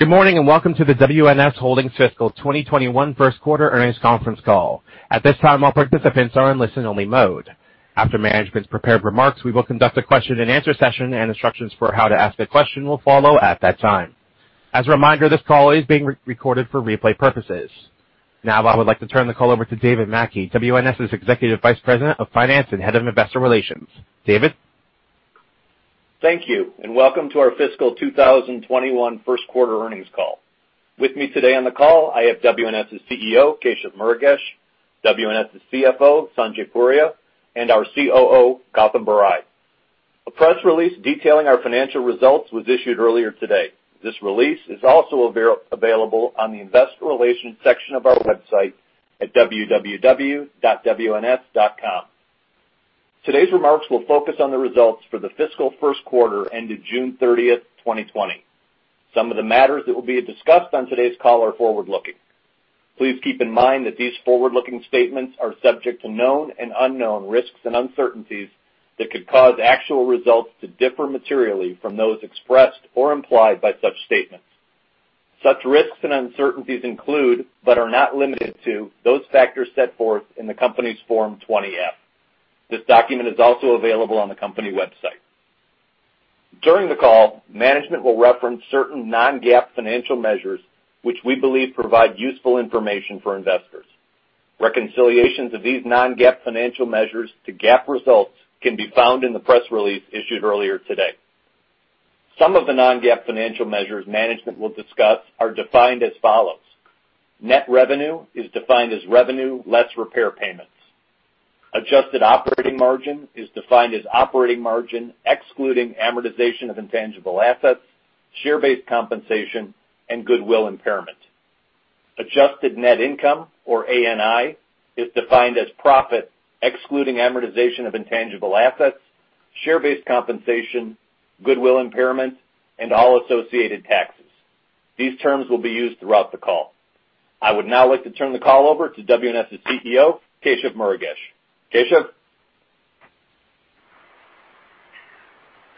Good morning, and welcome to the WNS Holdings Fiscal 2021 First Quarter Earnings Conference Call. At this time, all participants are in listen-only mode. After management's prepared remarks, we will conduct a question and answer session, and instructions for how to ask a question will follow at that time. As a reminder, this call is being recorded for replay purposes. Now, I would like to turn the call over to David Mackey, WNS's Executive Vice President of Finance and Head of Investor Relations. David? Thank you and welcome to our Fiscal 2021 first quarter earnings call. With me today on the call, I have WNS's CEO, Keshav Murugesh, WNS's CFO, Sanjay Puria, and our COO, Gautam Barai. A press release detailing our financial results was issued earlier today. This release is also available on the investor relations section of our website at www.wns.com. Today's remarks will focus on the results for the fiscal first quarter ended June 30th, 2020. Some of the matters that will be discussed on today's call are forward-looking. Please keep in mind that these forward-looking statements are subject to known and unknown risks and uncertainties that could cause actual results to differ materially from those expressed or implied by such statements. Such risks and uncertainties include, but are not limited to, those factors set forth in the company's Form 20-F. This document is also available on the company website. During the call, management will reference certain non-GAAP financial measures which we believe provide useful information for investors. Reconciliations of these non-GAAP financial measures to GAAP results can be found in the press release issued earlier today. Some of the non-GAAP financial measures management will discuss are defined as follows. Net revenue is defined as revenue less repair payments. Adjusted operating margin is defined as operating margin excluding amortization of intangible assets, share-based compensation, and goodwill impairment. Adjusted net income or ANI is defined as profit excluding amortization of intangible assets, share-based compensation, goodwill impairment, and all associated taxes. These terms will be used throughout the call. I would now like to turn the call over to WNS's CEO, Keshav Murugesh. Keshav? Thank you,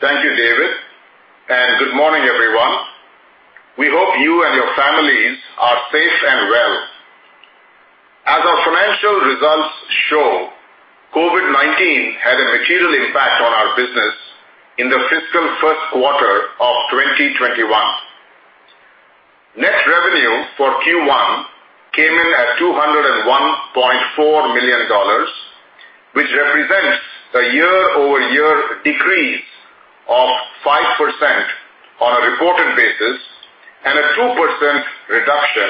David. Good morning, everyone. We hope you and your families are safe and well. As our financial results show, COVID-19 had a material impact on our business in the fiscal first quarter of 2021. Net revenue for Q1 came in at $201.4 million, which represents a year-over-year decrease of 5% on a reported basis and a 2% reduction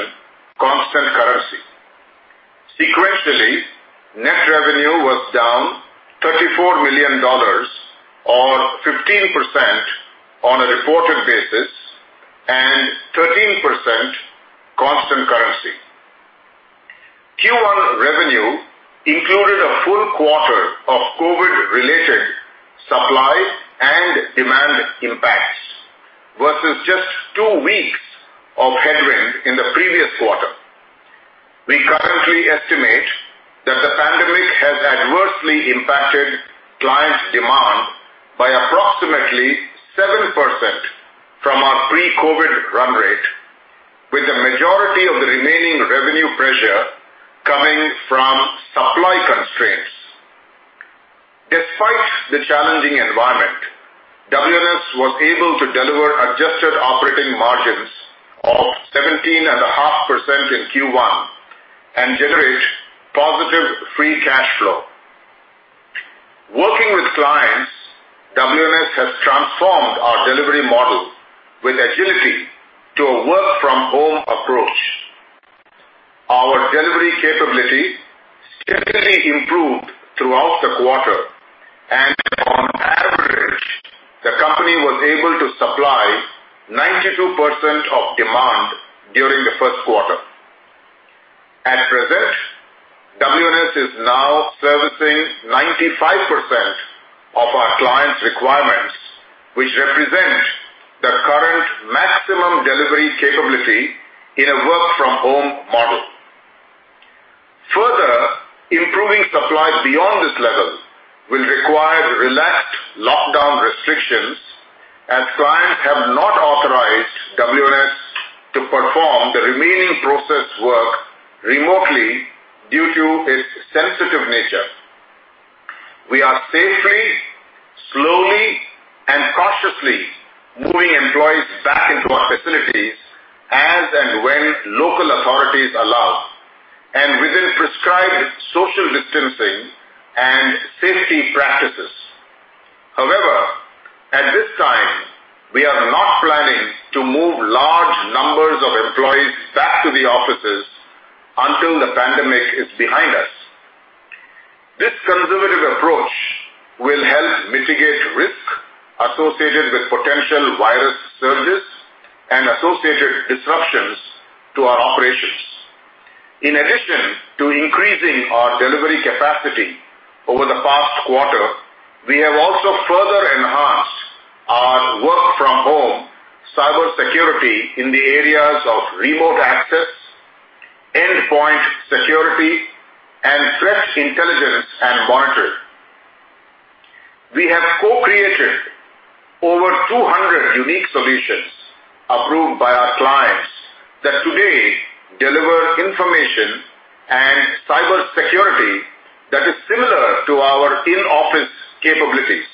constant currency. Sequentially, net revenue was down $34 million or 15% on a reported basis and 13% constant currency. Q1 revenue included a full quarter of COVID-related supply and demand impacts versus just two weeks of headwind in the previous quarter. We currently estimate that the pandemic has adversely impacted clients' demand by approximately 7% from our pre-COVID run rate, with the majority of the remaining revenue pressure coming from supply constraints. Despite the challenging environment, WNS was able to deliver adjusted operating margins of 17.5% in Q1 and generate positive free cash flow. Working with clients, WNS has transformed our delivery model with agility to a work-from-home approach. Our delivery capability steadily improved throughout the quarter, and on average, the company was able to supply 92% of demand during the first quarter. At present, WNS is now servicing 95% of our clients' requirements, which represent the current maximum delivery capability in a work-from-home model. Improving supply beyond this level will require relaxed lockdown restrictions as clients have not authorized WNS to perform the remaining process work remotely due to its sensitive nature. We are safely, slowly, and cautiously moving employees back into our facilities as and when local authorities allow and within prescribed social distancing and safety practices. However, at this time, we are not planning to move large numbers of employees back to the offices until the pandemic is behind us. This conservative approach will help mitigate risk associated with potential virus surges and associated disruptions to our operations. In addition to increasing our delivery capacity over the past quarter, we have also further enhanced our work-from-home cybersecurity in the areas of remote access, endpoint security, and threat intelligence and monitoring. We have co-created over 200 unique solutions approved by our clients that today deliver information and cybersecurity that is similar to our in-office capabilities.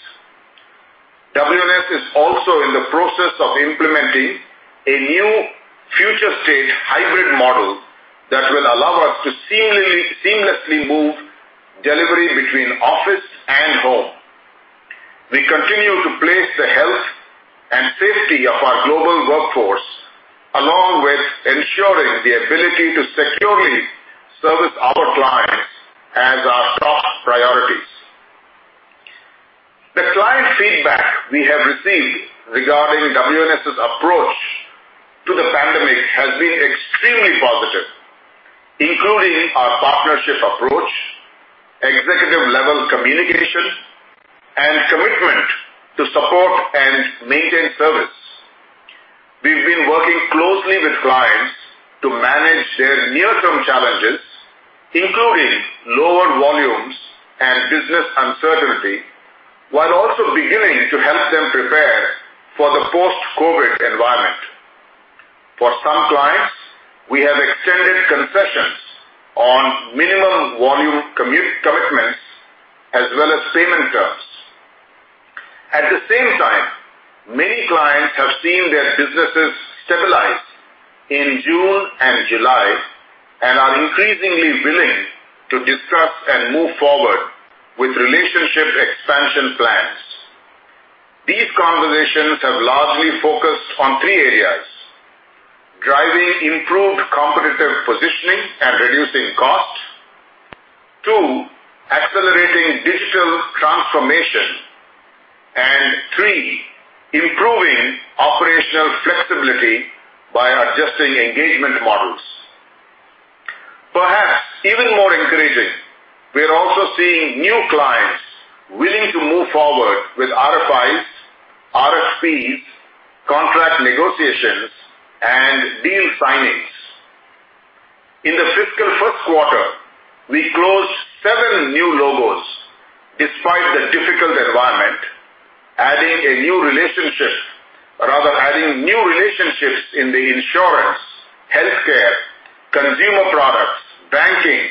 WNS is also in the process of implementing a new future state hybrid model that will allow us to seamlessly move delivery between office and home. We continue to place the health and safety of our global workforce, along with ensuring the ability to securely service our clients, as our top priorities. The client feedback we have received regarding WNS' approach to the pandemic has been extremely positive, including our partnership approach, executive-level communication, and commitment to support and maintain service. We've been working closely with clients to manage their near-term challenges, including lower volumes and business uncertainty, while also beginning to help them prepare for the post-COVID environment. For some clients, we have extended concessions on minimum volume commitments as well as payment terms. At the same time, many clients have seen their businesses stabilize in June and July and are increasingly willing to discuss and move forward with relationship expansion plans. These conversations have largely focused on three areas. Driving improved competitive positioning and reducing costs. Two, accelerating digital transformation. Three, improving operational flexibility by adjusting engagement models. Perhaps even more encouraging, we are also seeing new clients willing to move forward with RFIs, RFPs, contract negotiations, and deal signings. In the fiscal first quarter, we closed seven new logos despite the difficult environment, adding new relationships in the insurance, healthcare, consumer products, banking,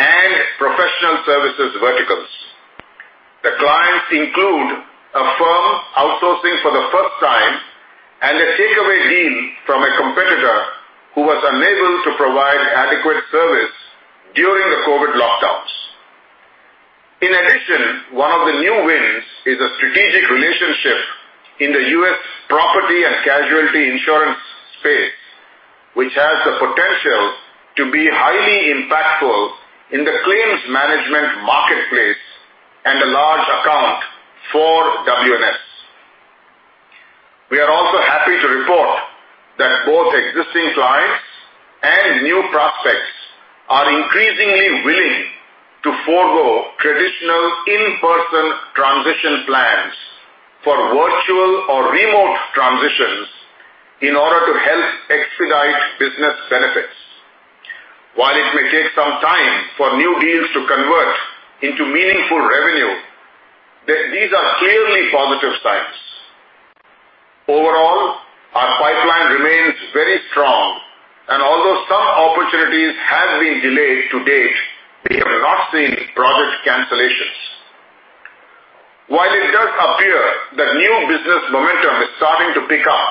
and professional services verticals. The clients include a firm outsourcing for the first time and a takeaway deal from a competitor who was unable to provide adequate service during the COVID-19 lockdowns. In addition, one of the new wins is a strategic relationship in the U.S. property and casualty insurance space, which has the potential to be highly impactful in the claims management marketplace and a large account for WNS. We are also happy to report that both existing clients and new prospects are increasingly willing to forgo traditional in-person transition plans for virtual or remote transitions in order to help expedite business benefits. While it may take some time for new deals to convert into meaningful revenue, these are clearly positive signs. Overall, our pipeline remains very strong, and although some opportunities have been delayed to date, we have not seen project cancellations. While it does appear that new business momentum is starting to pick up,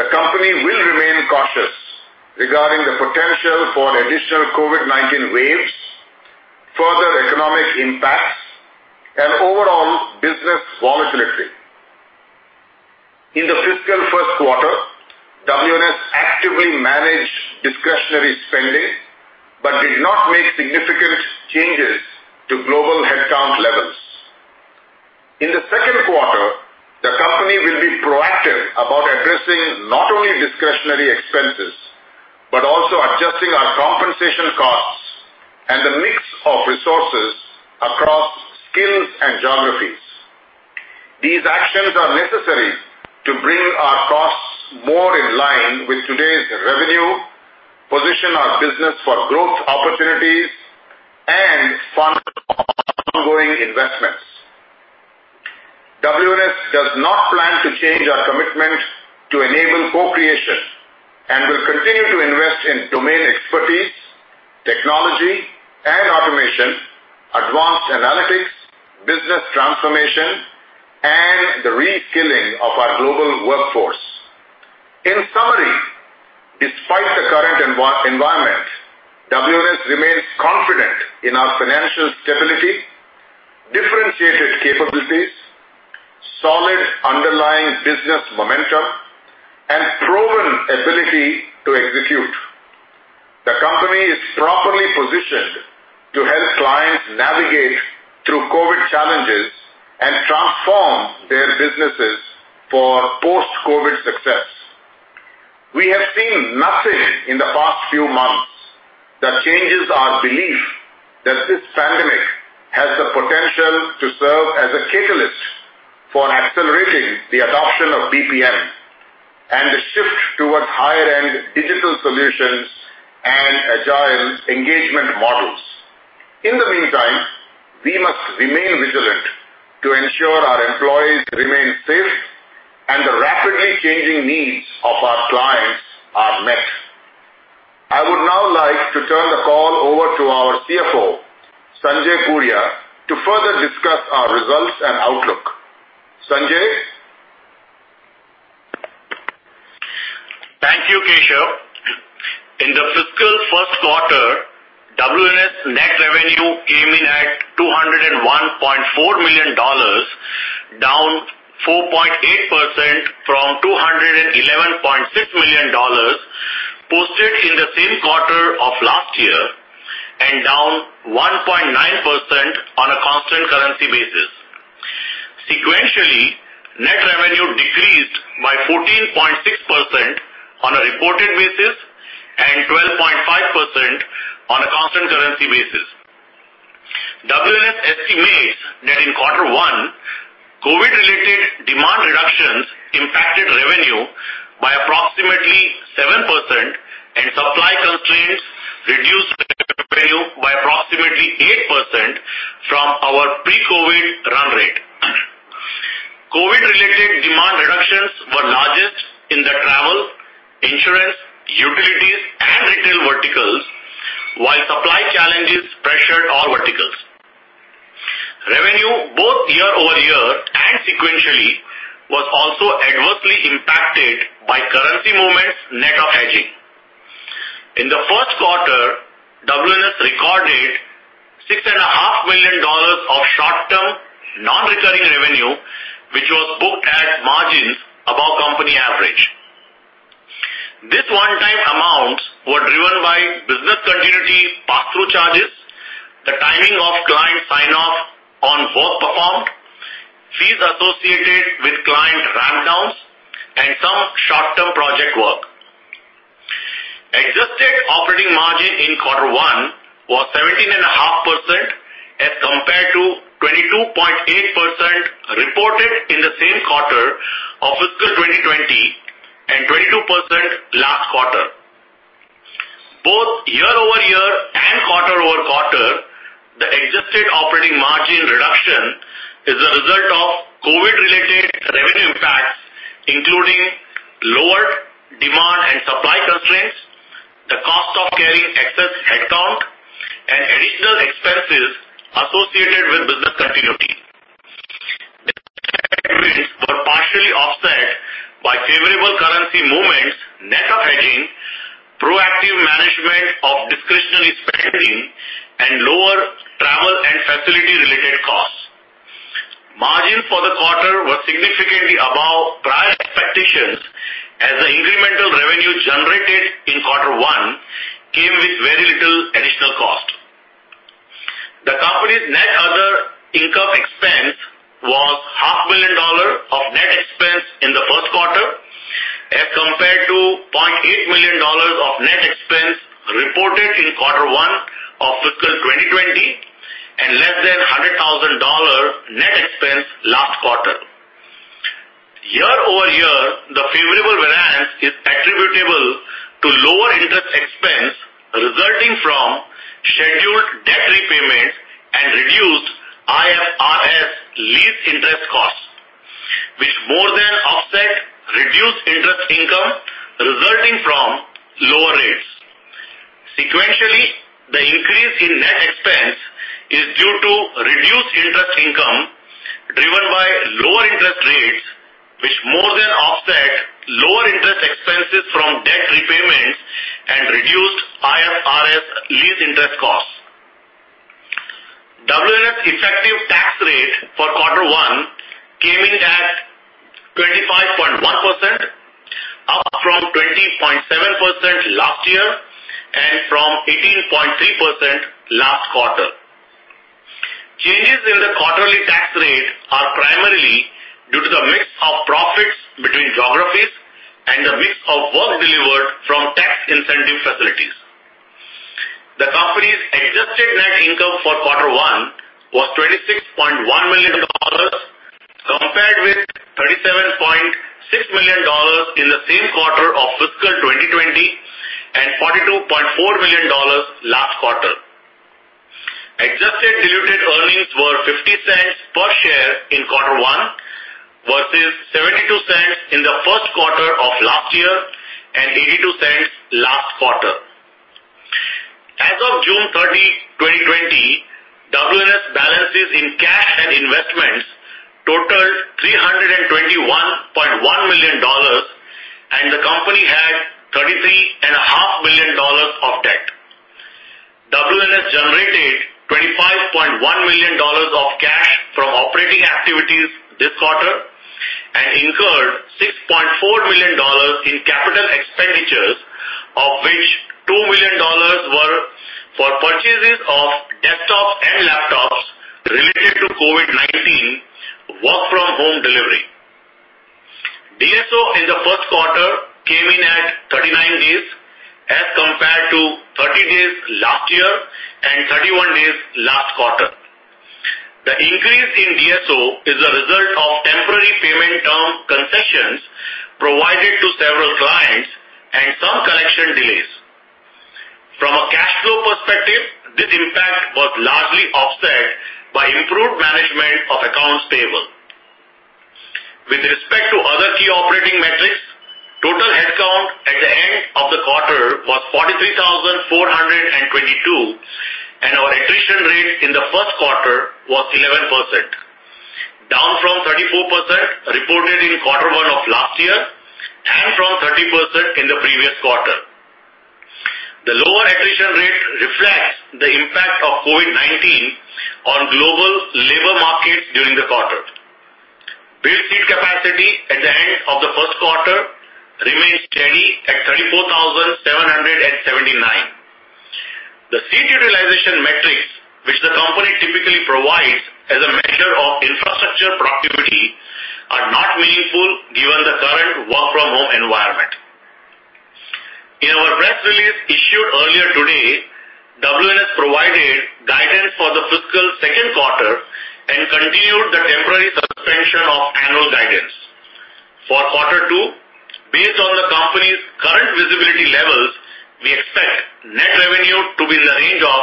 the company will remain cautious regarding the potential for additional COVID-19 waves, further economic impacts, and overall business volatility. In the fiscal first quarter, WNS actively managed discretionary spending but did not make significant changes to global headcount levels. In the second quarter, the company will be proactive about addressing not only discretionary expenses, but also adjusting our compensation costs and the mix of resources across skills and geographies. These actions are necessary to bring our costs more in line with today's revenue, position our business for growth opportunities, and fund ongoing investments. WNS does not plan to change our commitment to enable co-creation and will continue to invest in domain expertise, technology and automation, advanced analytics, business transformation, and the reskilling of our global workforce. In summary, despite the current environment, WNS remains confident in our financial stability, differentiated capabilities, solid underlying business momentum, and proven ability to execute. The company is properly positioned to help clients navigate through COVID-19 challenges and transform their businesses for post-COVID-19 success. We have seen nothing in the past few months that changes our belief that this pandemic has the potential to serve as a catalyst for accelerating the adoption of BPM and a shift towards higher-end digital solutions and agile engagement models. In the meantime, we must remain vigilant to ensure our employees remain safe and the rapidly changing needs of our clients are met. I would now like to turn the call over to our CFO, Sanjay Puria, to further discuss our results and outlook. Sanjay? Thank you, Keshav. In the fiscal first quarter, WNS net revenue came in at $201.4 million, down 4.8% from $211.6 million posted in the same quarter of last year, and down 1.9% on a constant currency basis. Sequentially, net revenue decreased by 14.6% on a reported basis and 12.5% on a constant currency basis. WNS estimates that in quarter one, COVID-related demand reductions impacted revenue by approximately 7%, and supply constraints reduced revenue by approximately 8% from our pre-COVID run rate. COVID-related demand reductions were largest in the travel, insurance, utilities, and retail verticals, while supply challenges pressured all verticals. Revenue, both year-over-year and sequentially, was also adversely impacted by currency movements net of hedging. In the first quarter, WNS recorded $6.5 million of short-term non-recurring revenue, which was booked at margins above company average. This one-time amounts were driven by business continuity pass-through charges, the timing of client sign-off on work performed, fees associated with client ramp downs, and some short-term project work. Adjusted operating margin in quarter one was 17.5% as compared to 22.8% reported in the same quarter of fiscal 2020 and 22% last quarter. Both year-over-year and quarter-over-quarter, the adjusted operating margin reduction is a result of COVID-19-related revenue impacts, including lower demand and supply constraints, the cost of carrying excess headcount, and additional expenses associated with business continuity. These headwinds were partially offset by favorable currency movements net of hedging, proactive management of discretionary spending, and lower travel and facility-related costs. Margins for the quarter were significantly above prior expectations as the incremental revenue generated in quarter one came with very little additional cost. The company's net other income expense was half million dollar of net expense in the first quarter, as compared to $0.8 million of net expense reported in quarter one of fiscal 2020 and less than $100,000 net expense last quarter. Year-over-year, the favorable variance is attributable to lower interest expense resulting from scheduled debt repayments and reduced IFRS lease interest costs, which more than offset reduced interest income resulting from lower rates. Sequentially, the increase in net expense is due to reduced interest income driven by lower interest rates, which more than offset lower interest expenses from debt repayments and reduced IFRS lease interest costs. WNS effective tax rate for quarter one came in at 25.1%, up from 20.7% last year and from 18.3% last quarter. Changes in the quarterly tax rate are primarily due to the mix of profits between geographies and the mix of work delivered from tax incentive facilities. The company's adjusted net income for quarter one was $26.1 million, compared with $37.6 million in the same quarter of fiscal 2020 and $42.4 million last quarter. Adjusted diluted earnings were $0.50 per share in quarter one versus $0.72 in the first quarter of last year and $0.82 last quarter. As of June 30, 2020, WNS balances in cash and investments totaled $321.1 million, and the company had $33.5 million of debt. WNS generated $25.1 million of cash from operating activities this quarter and incurred $6.4 million in capital expenditures, of which $2 million were for purchases of desktops and laptops related to COVID-19 work-from-home delivery. DSO in the first quarter came in [at 39 days] and 31 days last quarter. The increase in DSO is a result of temporary payment term concessions provided to several clients and some collection delays. From a cash flow perspective, this impact was largely offset by improved management of accounts payable. With respect to other key operating metrics, total headcount at the end of the quarter was 43,422, and our attrition rate in the first quarter was 11%, down from 34% reported in quarter one of last year and from 30% in the previous quarter. The lower attrition rate reflects the impact of COVID-19 on global labor markets during the quarter. Built seat capacity at the end of the first quarter remains steady at 34,779. The seat utilization metrics, which the company typically provides as a measure of infrastructure proximity, are not meaningful given the current work-from-home environment. In our press release issued earlier today, WNS provided guidance for the fiscal second quarter and continued the temporary suspension of annual guidance. For quarter two, based on the company's current visibility levels, we expect net revenue to be in the range of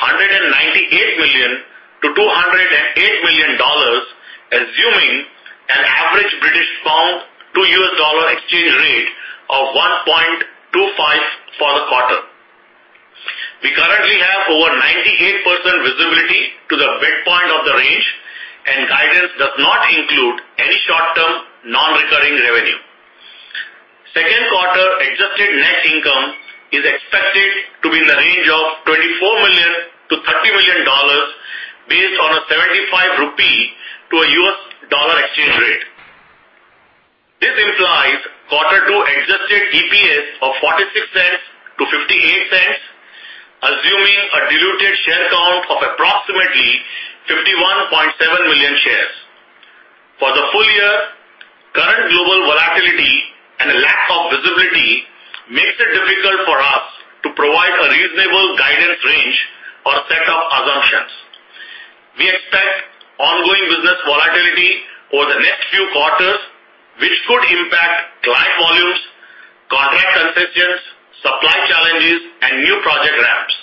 $198 million-$208 million, assuming an average GBP to $ exchange rate of 1.25 for the quarter. We currently have over 98% visibility to the midpoint of the range, and guidance does not include any short-term, non-recurring revenue. Second quarter adjusted net income is expected to be in the range of $24 million-$30 million based on a 75 rupee to a $ exchange rate. This implies quarter two adjusted EPS of $0.46-$0.58, assuming a diluted share count of approximately 51.7 million shares. For the full year, current global volatility and lack of visibility makes it difficult for us to provide a reasonable guidance range or set of assumptions. We expect ongoing business volatility over the next few quarters, which could impact client volumes, contract concessions, supply challenges, and new project ramps.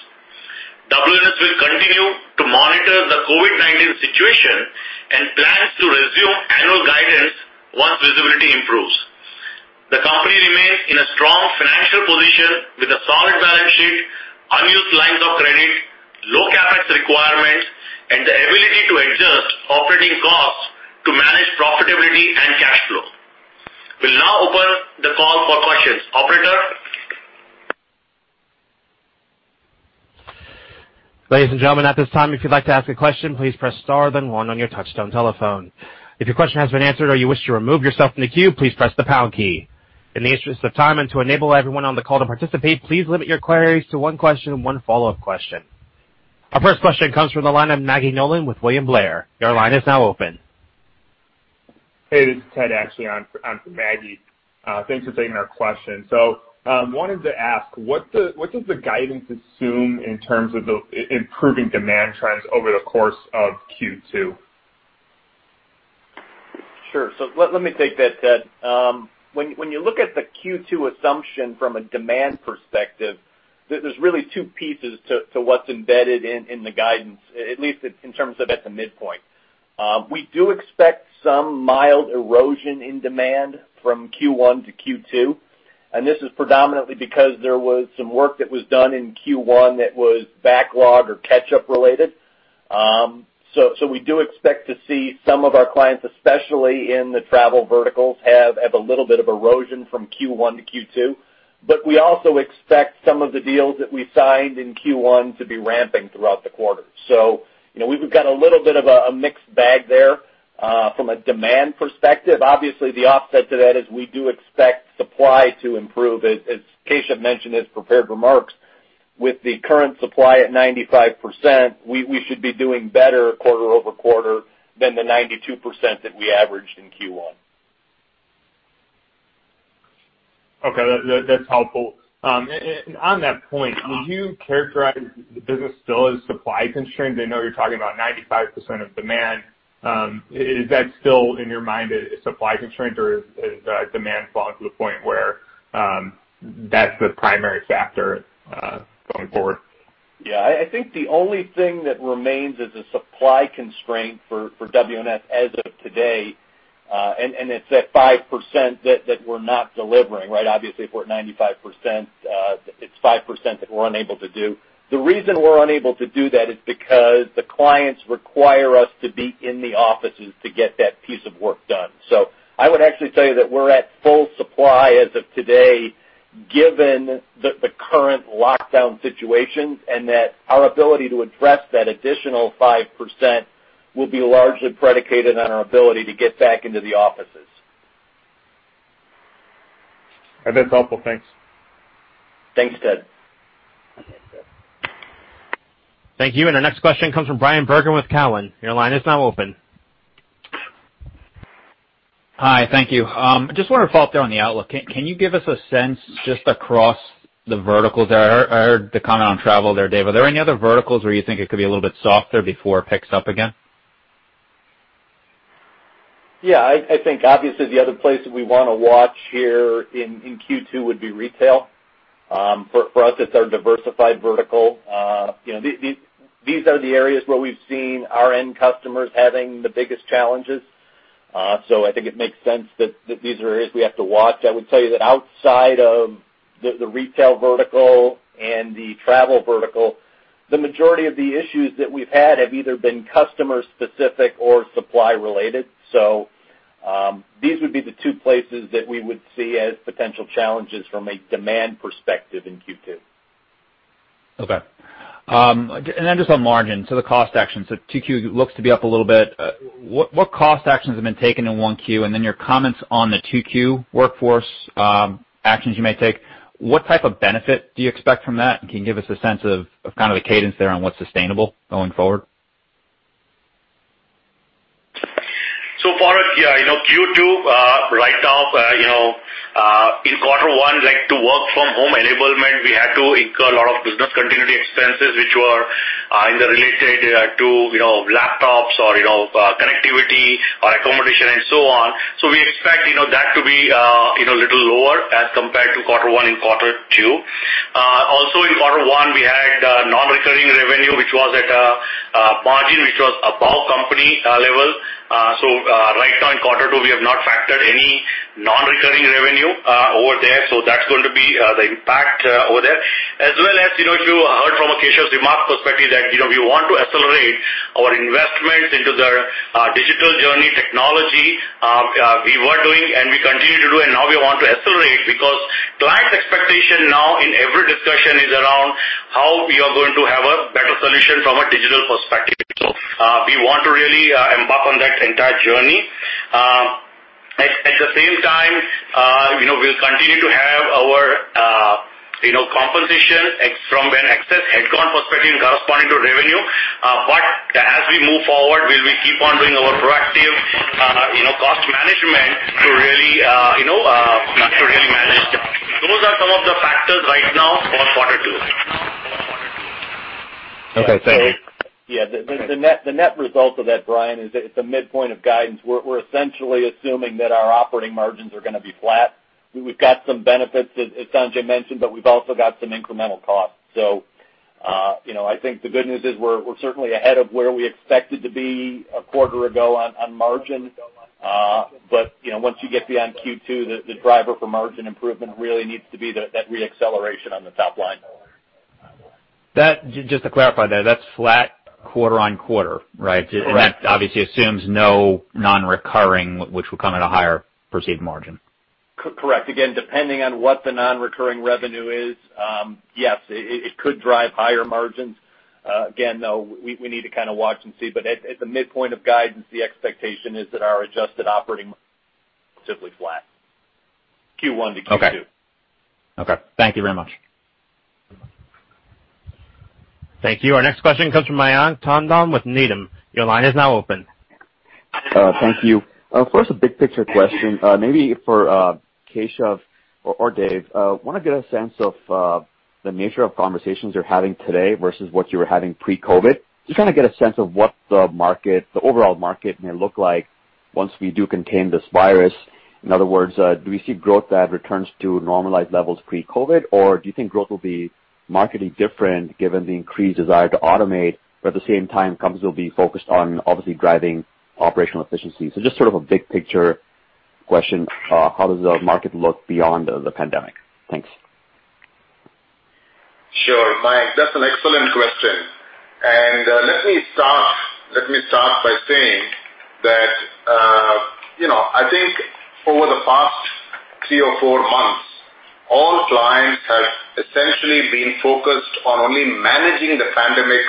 WNS will continue to monitor the COVID-19 situation and plans to resume annual guidance once visibility improves. The company remains in a strong financial position with a solid balance sheet, unused lines of credit, low CapEx requirements, and the ability to adjust operating costs to manage profitability and cash flow. We'll now open the call for questions. Operator? Ladies and gentlemen, at this time, if you'd like to ask a question, please press star then one on your touchtone telephone. If your question has been answered or you wish to remove yourself from the queue, please press the pound key. In the interest of time and to enable everyone on the call to participate, please limit your queries to one question and one follow-up question. Our first question comes from the line of Maggie Nolan with William Blair. Your line is now open. Hey, this is Ted, actually. I'm from Maggie. Thanks for taking our question. I wanted to ask, what does the guidance assume in terms of the improving demand trends over the course of Q2? Sure. Let me take that, Ted. When you look at the Q2 assumption from a demand perspective, there's really two pieces to what's embedded in the guidance, at least in terms of at the midpoint. We do expect some mild erosion in demand from Q1 to Q2. This is predominantly because there was some work that was done in Q1 that was backlog or catch-up related. We do expect to see some of our clients, especially in the travel verticals, have a little bit of erosion from Q1 to Q2. We also expect some of the deals that we signed in Q1 to be ramping throughout the quarter. We've got a little bit of a mixed bag there from a demand perspective. Obviously, the offset to that is we do expect supply to improve. As Keshav mentioned in his prepared remarks, with the current supply at 95%, we should be doing better quarter-over-quarter than the 92% that we averaged in Q1. Okay, that's helpful. On that point, would you characterize the business still as supply-constrained? I know you're talking about 95% of demand. Is that still in your mind as supply-constrained, or has demand fallen to the point where that's the primary factor going forward? Yeah, I think the only thing that remains as a supply constraint for WNS as of today, and it's that 5% that we're not delivering, right? Obviously, if we're at 95%, it's 5% that we're unable to do. The reason we're unable to do that is because the clients require us to be in the offices to get that piece of work done. I would actually tell you that we're at full supply as of today, given the current lockdown situations, and that our ability to address that additional 5% will be largely predicated on our ability to get back into the offices. That's helpful. Thanks. Thanks, Ted. Thank you. Our next question comes from Bryan Bergin with Cowen. Your line is now open. Hi, thank you. I just want to follow up there on the outlook. Can you give us a sense just across the verticals? I heard the comment on travel there, David. Are there any other verticals where you think it could be a little bit softer before it picks up again? Yeah, I think obviously the other place that we want to watch here in Q2 would be retail. For us, it's our diversified vertical. These are the areas where we've seen our end customers having the biggest challenges. I think it makes sense that these are areas we have to watch. I would say that outside of the retail vertical and the travel vertical, the majority of the issues that we've had have either been customer-specific or supply-related. These would be the two places that we would see as potential challenges from a demand perspective in Q2. Okay. Just on margin, the cost action. 2Q looks to be up a little bit. What cost actions have been taken in 1Q? Your comments on the 2Q workforce actions you may take, what type of benefit do you expect from that? Can you give us a sense of kind of the cadence there on what's sustainable going forward? For us, yeah, Q2, right now, in quarter one, to work from home enablement, we had to incur a lot of business continuity expenses which were in the related to laptops or connectivity or accommodation and so on. We expect that to be a little lower as compared to quarter one and quarter two. Also in quarter one, we had non-recurring revenue, which was at a margin which was above company level. Right now in quarter two, we have not factored any non-recurring revenue over there. That's going to be the impact over there. You heard from Keshav's remarks perspective that we want to accelerate our investments into the digital journey technology. We were doing, and we continue to do, and now we want to accelerate because clients' expectation now in every discussion is around how we are going to have a better solution from a digital perspective. We want to really embark on that entire journey. At the same time, we'll continue to have our compensation from an excess head count perspective corresponding to revenue. As we move forward, we will keep on doing our proactive cost management to really manage that. Those are some of the factors right now for quarter two. Okay, thank you. Yeah. The net result of that, Bryan, is at the midpoint of guidance, we're essentially assuming that our operating margins are going to be flat. We've got some benefits, as Sanjay mentioned, we've also got some incremental costs. I think the good news is we're certainly ahead of where we expected to be a quarter ago on margin. Once you get beyond Q2, the driver for margin improvement really needs to be that re-acceleration on the top line. Just to clarify there, that's flat quarter-on-quarter, right? Correct. That obviously assumes no non-recurring, which will come at a higher perceived margin. Correct. Again, depending on what the non-recurring revenue is, yes, it could drive higher margins. Again, though, we need to kind of watch and see. At the midpoint of guidance, the expectation is that our adjusted operating is simply flat, Q1 to Q2. Okay. Thank you very much. Thank you. Our next question comes from Mayank Tandon with Needham. Your line is now open. Thank you. First, a big picture question, maybe for Keshav or David. I want to get a sense of the nature of conversations you're having today versus what you were having pre-COVID. I am just trying to get a sense of what the overall market may look like once we do contain this virus. In other words, do we see growth that returns to normalized levels pre-COVID, or do you think growth will be markedly different given the increased desire to automate, but at the same time, companies will be focused on obviously driving operational efficiency? Just sort of a big picture question, how does the market look beyond the pandemic? Thanks. Sure, Mayank. That's an excellent question. Let me start by saying that, I think over the past three or four months, all clients have essentially been focused on only managing the pandemic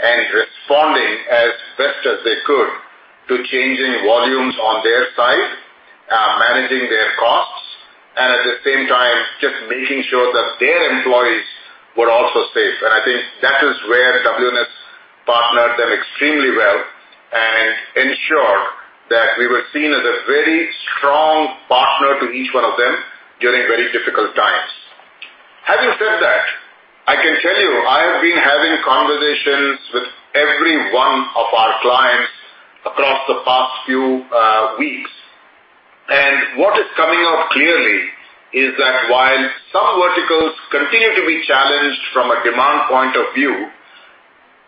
and responding as best as they could to changing volumes on their side, managing their costs, and at the same time, just making sure that their employees were also safe. I think that is where WNS partnered them extremely well and ensured that we were seen as a very strong partner to each one of them during very difficult times. Having said that, I can tell you, I have been having conversations with every one of our clients across the past few weeks. What is coming out clearly is that while some verticals continue to be challenged from a demand point of view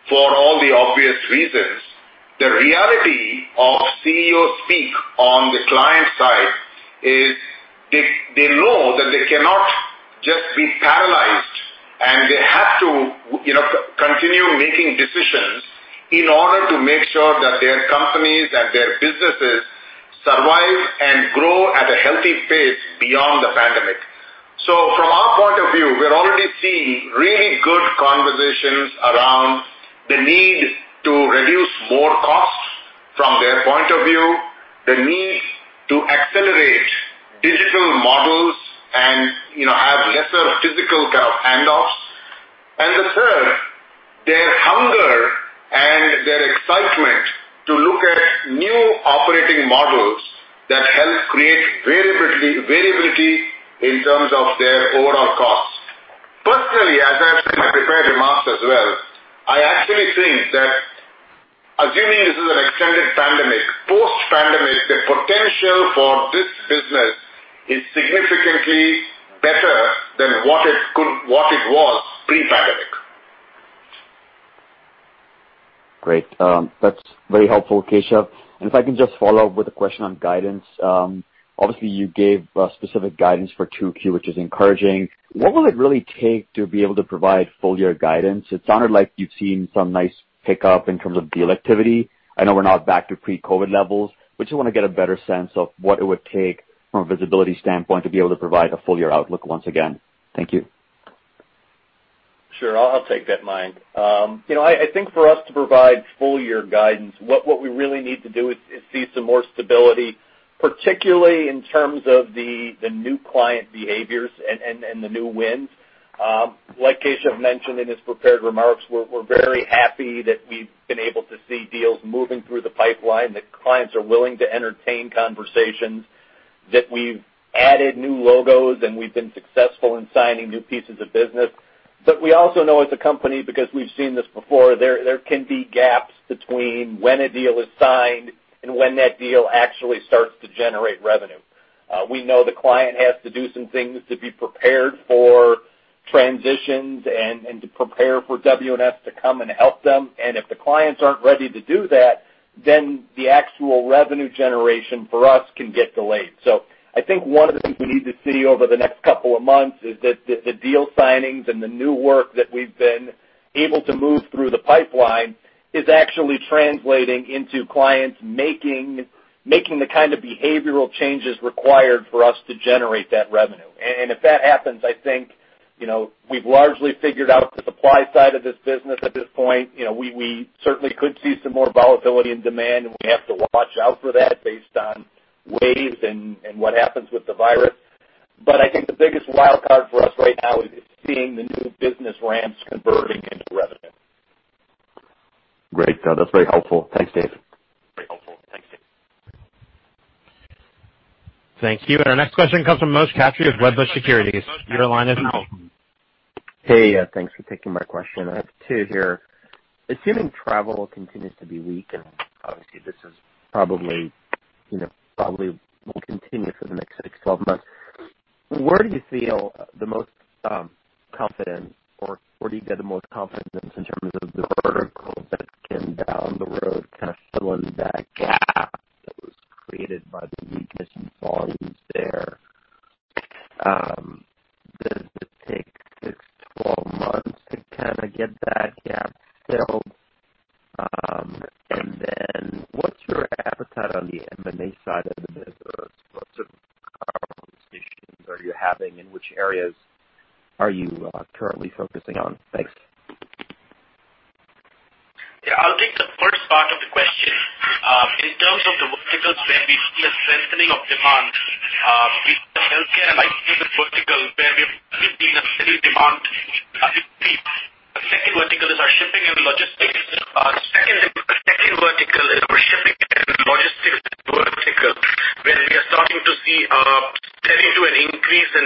for all the obvious reasons, the reality of CEO speak on the client side is they know that they cannot just be paralyzed, and they have to continue making decisions in order to make sure that their companies and their businesses survive and grow at a healthy pace beyond the pandemic. From our point of view, we're already seeing really good conversations around the need to reduce more costs from their point of view, the need to accelerate digital models and have lesser physical kind of handoffs. Their excitement to look at new operating models that help create variability in terms of their overall cost. Personally, as I said in my prepared remarks as well, I actually think that assuming this is an extended pandemic, post-pandemic, the potential for this business is significantly better than what it was pre-pandemic. Great. That's very helpful, Keshav. If I can just follow up with a question on guidance. Obviously, you gave specific guidance for 2Q, which is encouraging. What will it really take to be able to provide full year guidance? It sounded like you've seen some nice pickup in terms of deal activity. I know we're not back to pre-COVID levels, but just want to get a better sense of what it would take from a visibility standpoint to be able to provide a full year outlook once again. Thank you. Sure. I'll take that, Mayank. I think for us to provide full year guidance, what we really need to do is see some more stability, particularly in terms of the new client behaviors and the new wins. Like Keshav mentioned in his prepared remarks, we're very happy that we've been able to see deals moving through the pipeline, that clients are willing to entertain conversations, that we've added new logos, and we've been successful in signing new pieces of business. We also know as a company, because we've seen this before, there can be gaps between when a deal is signed and when that deal actually starts to generate revenue. We know the client has to do some things to be prepared for transitions and to prepare for WNS to come and help them. If the clients aren't ready to do that, the actual revenue generation for us can get delayed. I think one of the things we need to see over the next couple of months is that the deal signings and the new work that we've been able to move through the pipeline is actually translating into clients making the kind of behavioral changes required for us to generate that revenue. If that happens, I think, we've largely figured out the supply side of this business at this point. We certainly could see some more volatility in demand, and we have to watch out for that based on waves and what happens with the virus. I think the biggest wildcard for us right now is seeing the new business ramps converting into revenue. Great. That's very helpful. Thanks, David. Thank you. Our next question comes from Moshe Katri with Wedbush Securities. Your line is now open. Hey, thanks for taking my question. I have two here. Assuming travel continues to be weak, this will probably continue for the next six, 12 months. Where do you feel the most confident or where do you get the most confidence in terms of the vertical that can down the road, filling that gap that was created by the weakness in volumes there? Does it take six, 12 months to get that gap filled? What's your appetite on the M&A side of the business? What sort of conversations are you having? In which areas are you currently focusing on? Thanks. Yeah, I'll take the first part of the question. In terms of the verticals where we see a strengthening of demand, we see the healthcare and life sciences vertical, where we have really seen a steady demand increase. The second vertical is our shipping and logistics vertical, where we are starting to see a steady to an increase in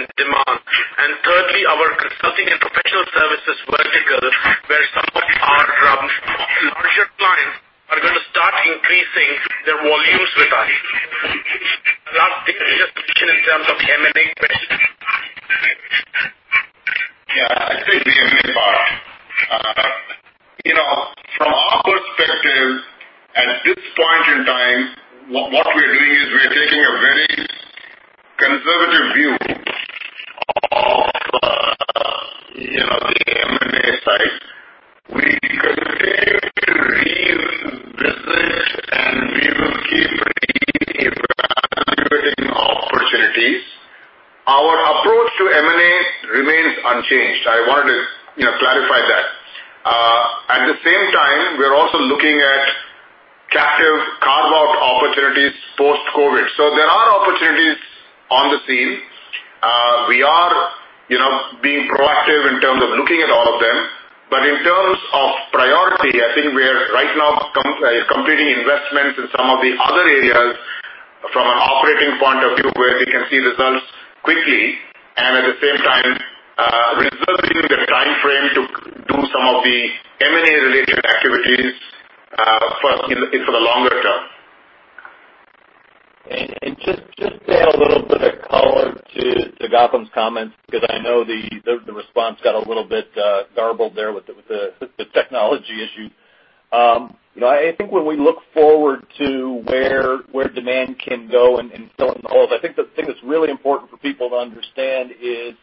I think when we look forward to where demand can go and fill in the holes, I think the thing that's really important for people to understand is,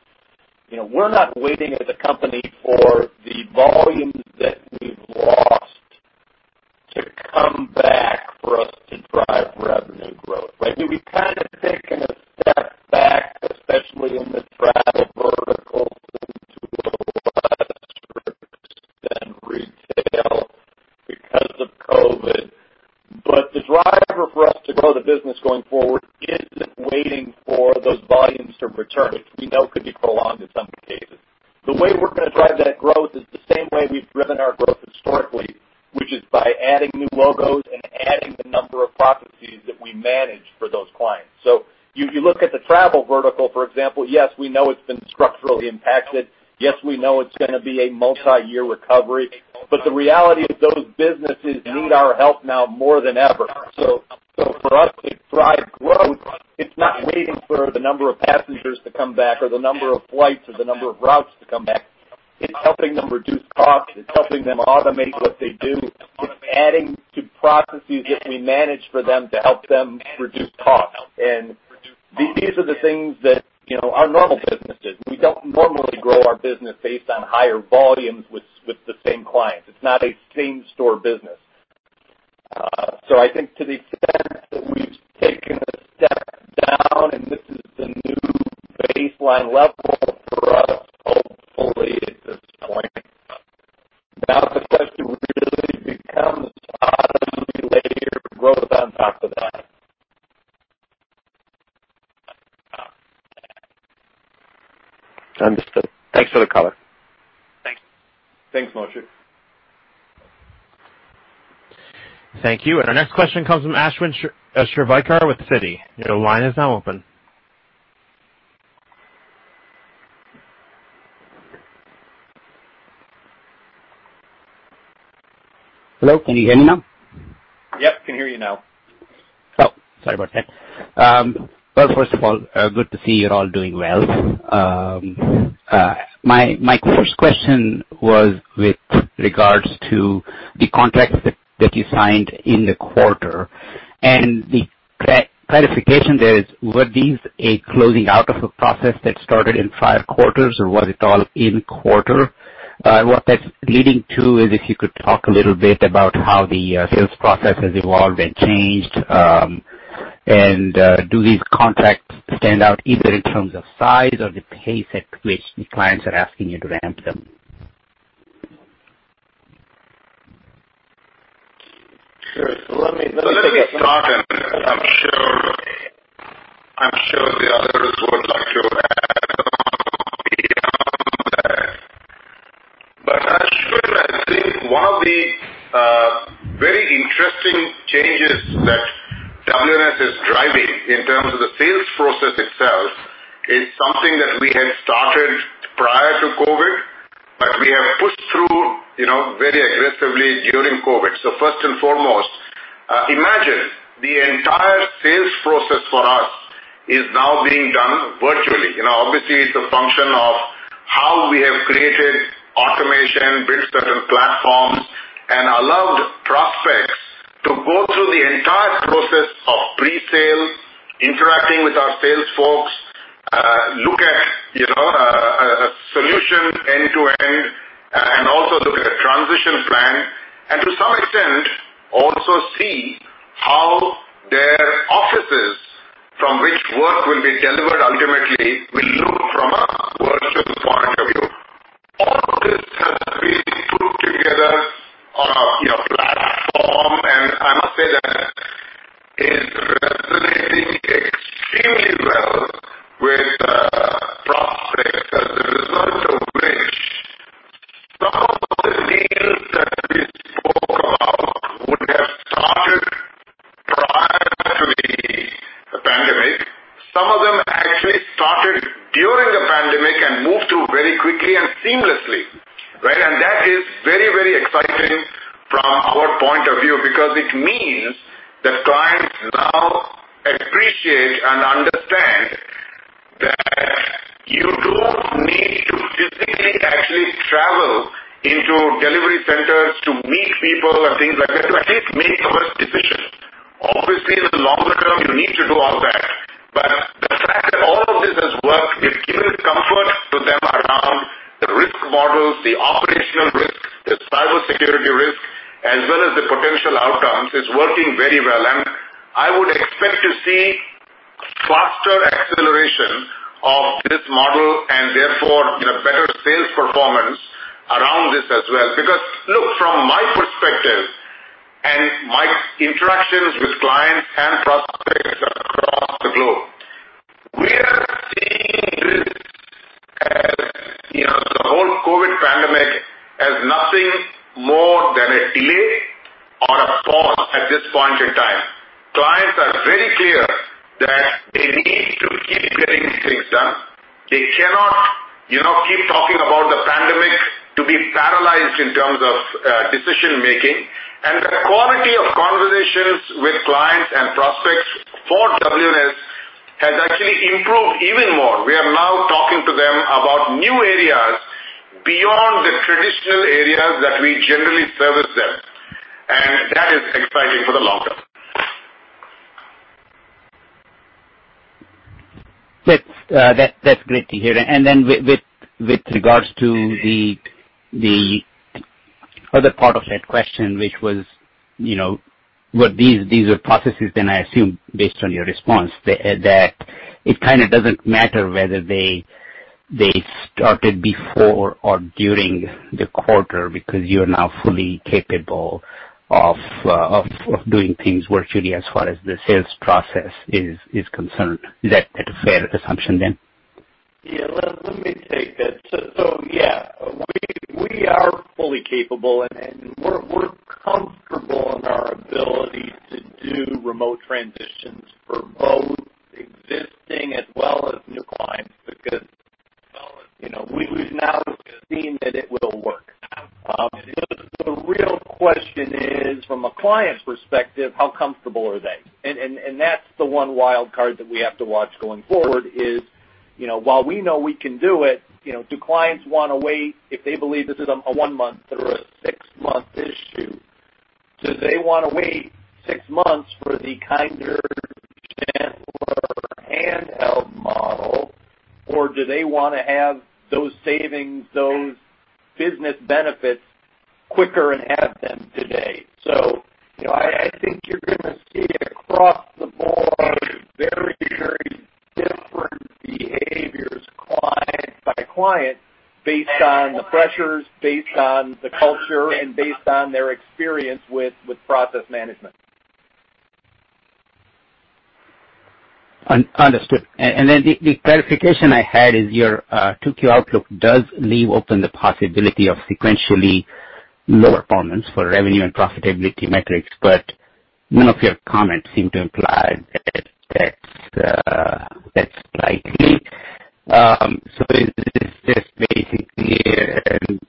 we're not waiting as a company for the volumes that we've lost to come back for us to drive revenue growth, right? We've kind of taken a step back, especially in the travel vertical into a lesser extent retail because of COVID. The driver for us to grow the business going forward isn't waiting for those volumes to return, which we know could be prolonged in some cases. The way we're going to drive that growth is the same way we've driven our growth historically, which is by adding new logos and adding the number of processes that we manage for those clients. You look at the travel vertical, for example. Yes, we know it's been structurally impacted. Yes, we know it's going to be a multi-year recovery. The reality is those businesses need our help now more than ever. For us to drive growth, it's not waiting for the number of passengers to come back or the number of flights or the number of routes to come back. It's helping them reduce costs. It's helping them automate what they do. It's adding to processes that we manage for them to help them reduce costs. These are the things that are normal businesses. We don't normally grow our business based on higher volumes with the same clients. It's not a same-store business. I think to the extent that we've taken a step down, and this is the new baseline level for us, hopefully, at this point. Now the question really becomes how do we layer growth on top of that? Understood. Thanks for the color. Thanks. Thanks, Moshe. Thank you. Our next question comes from Ashwin Shirvaikar with Citi. Your line is now open. Hello, can you hear me now? Yep, can hear you now. Oh, sorry about that. Well, first of all, good to see you're all doing well. My first question was with regards to the contracts that you signed in the quarter. The clarification there is, were these a closing out of a process that started in five quarters, or was it all in quarter? What that's leading to is if you could talk a little bit about how the sales process has evolved and changed. Do these contracts stand out either in terms of size or the pace at which the clients are asking you to ramp them? Sure. Let me start, and I'm sure the others would like to add on beyond that. Ashwin, I think one of the very interesting changes that WNS is driving in terms of the sales process itself is something that we had started prior to COVID, but we have pushed through very aggressively during COVID. First and foremost, imagine the entire sales process for us is now being done virtually. Obviously, it's a function of how we have created automation, built certain platforms, and allowed prospects to go through the entire process of pre-sale, interacting with our sales folks, look at a solution end to end, and also look at a transition plan. To some extent, also see how their offices from which work will be delivered ultimately will look from a virtual point of view. All of this has been put together on a platform, and I must say that is resonating extremely well with prospects. As a result of which some of the deals that we spoke about would have started prior to the pandemic. Some of them actually started during the pandemic and moved through very quickly and working very well. I would expect to see faster acceleration of this model and therefore better sales performance around this as well. Look, from my perspective and my interactions with clients and prospects across the globe, we are seeing this as the whole COVID pandemic as nothing more than a delay or a pause at this point in time. Clients are very clear that they need to keep getting things done. They cannot keep talking about the pandemic to be paralyzed in terms of decision-making. The quality of conversations with clients and prospects for WNS has actually improved even more. We are now talking to them about new areas beyond the traditional areas that we generally service them, and that is exciting for the long term. That's great to hear. With regards to the other part of that question, which was these are processes I assume based on your response, that it kind of doesn't matter whether they started before or during the quarter because you're now fully capable of doing things virtually as far as the sales process is concerned. Is that a fair assumption, then? Yeah. Let me take that. Yeah, we are fully capable, and we're comfortable in our ability to do remote transitions for both existing as well as new clients because we've now seen that it will work. The real question is, from a client's perspective, how comfortable are they? That's the one wild card that we have to watch going forward is, while we know we can do it, do clients want to wait if they believe this is a one-month or a six-month issue? Do they want to wait six months for the kinder, gentler, handheld model, or do they want to have those savings, those business benefits quicker and have them today? I think you're going to see across the board very different behaviors client by client based on the pressures, based on the culture, and based on their experience with process management. Understood. Then the clarification I had is your 2Q outlook does leave open the possibility of sequentially lower performance for revenue and profitability metrics. None of your comments seem to imply that's likely. Is this just basically an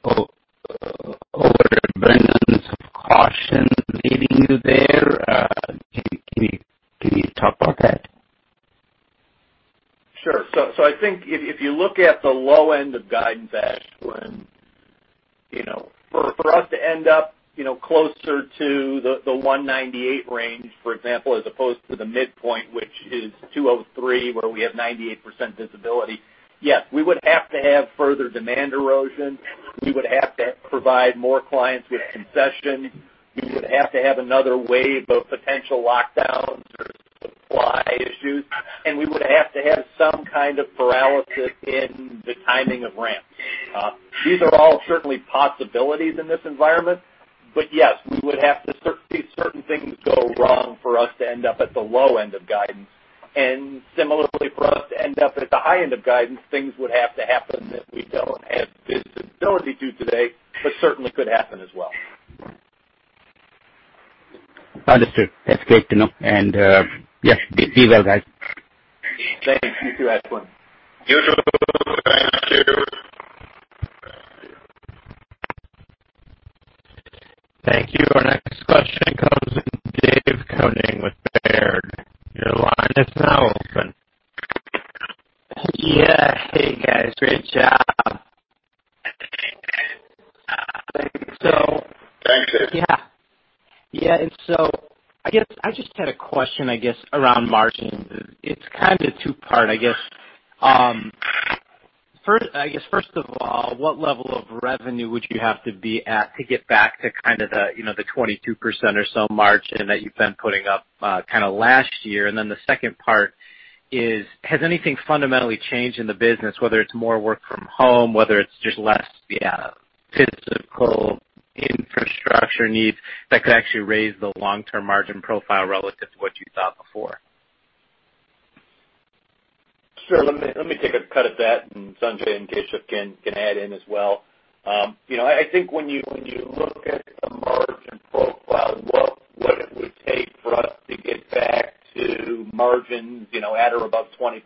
overabundance of caution leading you there? Can you talk about that? Sure. I think if you look at the low end of guidance, Ashwin Shirvaikar, for us to end up closer to the 198 range, for example, as opposed to the midpoint, which is 203, where we have 98% visibility, yes, we would have to have further demand erosion. We would have to provide more clients with concession. We would have to have another wave of potential lockdowns or supply issues, and we would have to have some kind of paralysis in the timing of ramps. These are all certainly possibilities in this environment. Yes, we would have to see certain things go wrong for us to end up at the low end of guidance. Similarly, for us to end up at the high end of guidance, things would have to happen that we don't have visibility to today, but certainly could happen as well. Understood. That's great to know. Yes, be well, guys. Thanks. You too, Ashwin. You too. Thanks, Sam. Thank you. Our next question comes in David Koning with Baird. Your line is now open. Yeah. Hey, guys. Great job. Thanks, Dave. Yeah. I just had a question, I guess, around margins. It's kind of two-part, I guess. First of all, what level of revenue would you have to be at to get back to the 22% or so margin that you've been putting up last year? The second part is, has anything fundamentally changed in the business, whether it's more work from home, whether it's just less physical infrastructure needs that could actually raise the long-term margin profile relative to what you thought before? Sure. Let me take a cut at that, and Sanjay and Keshav can add in as well. I think when margins at or above 20%.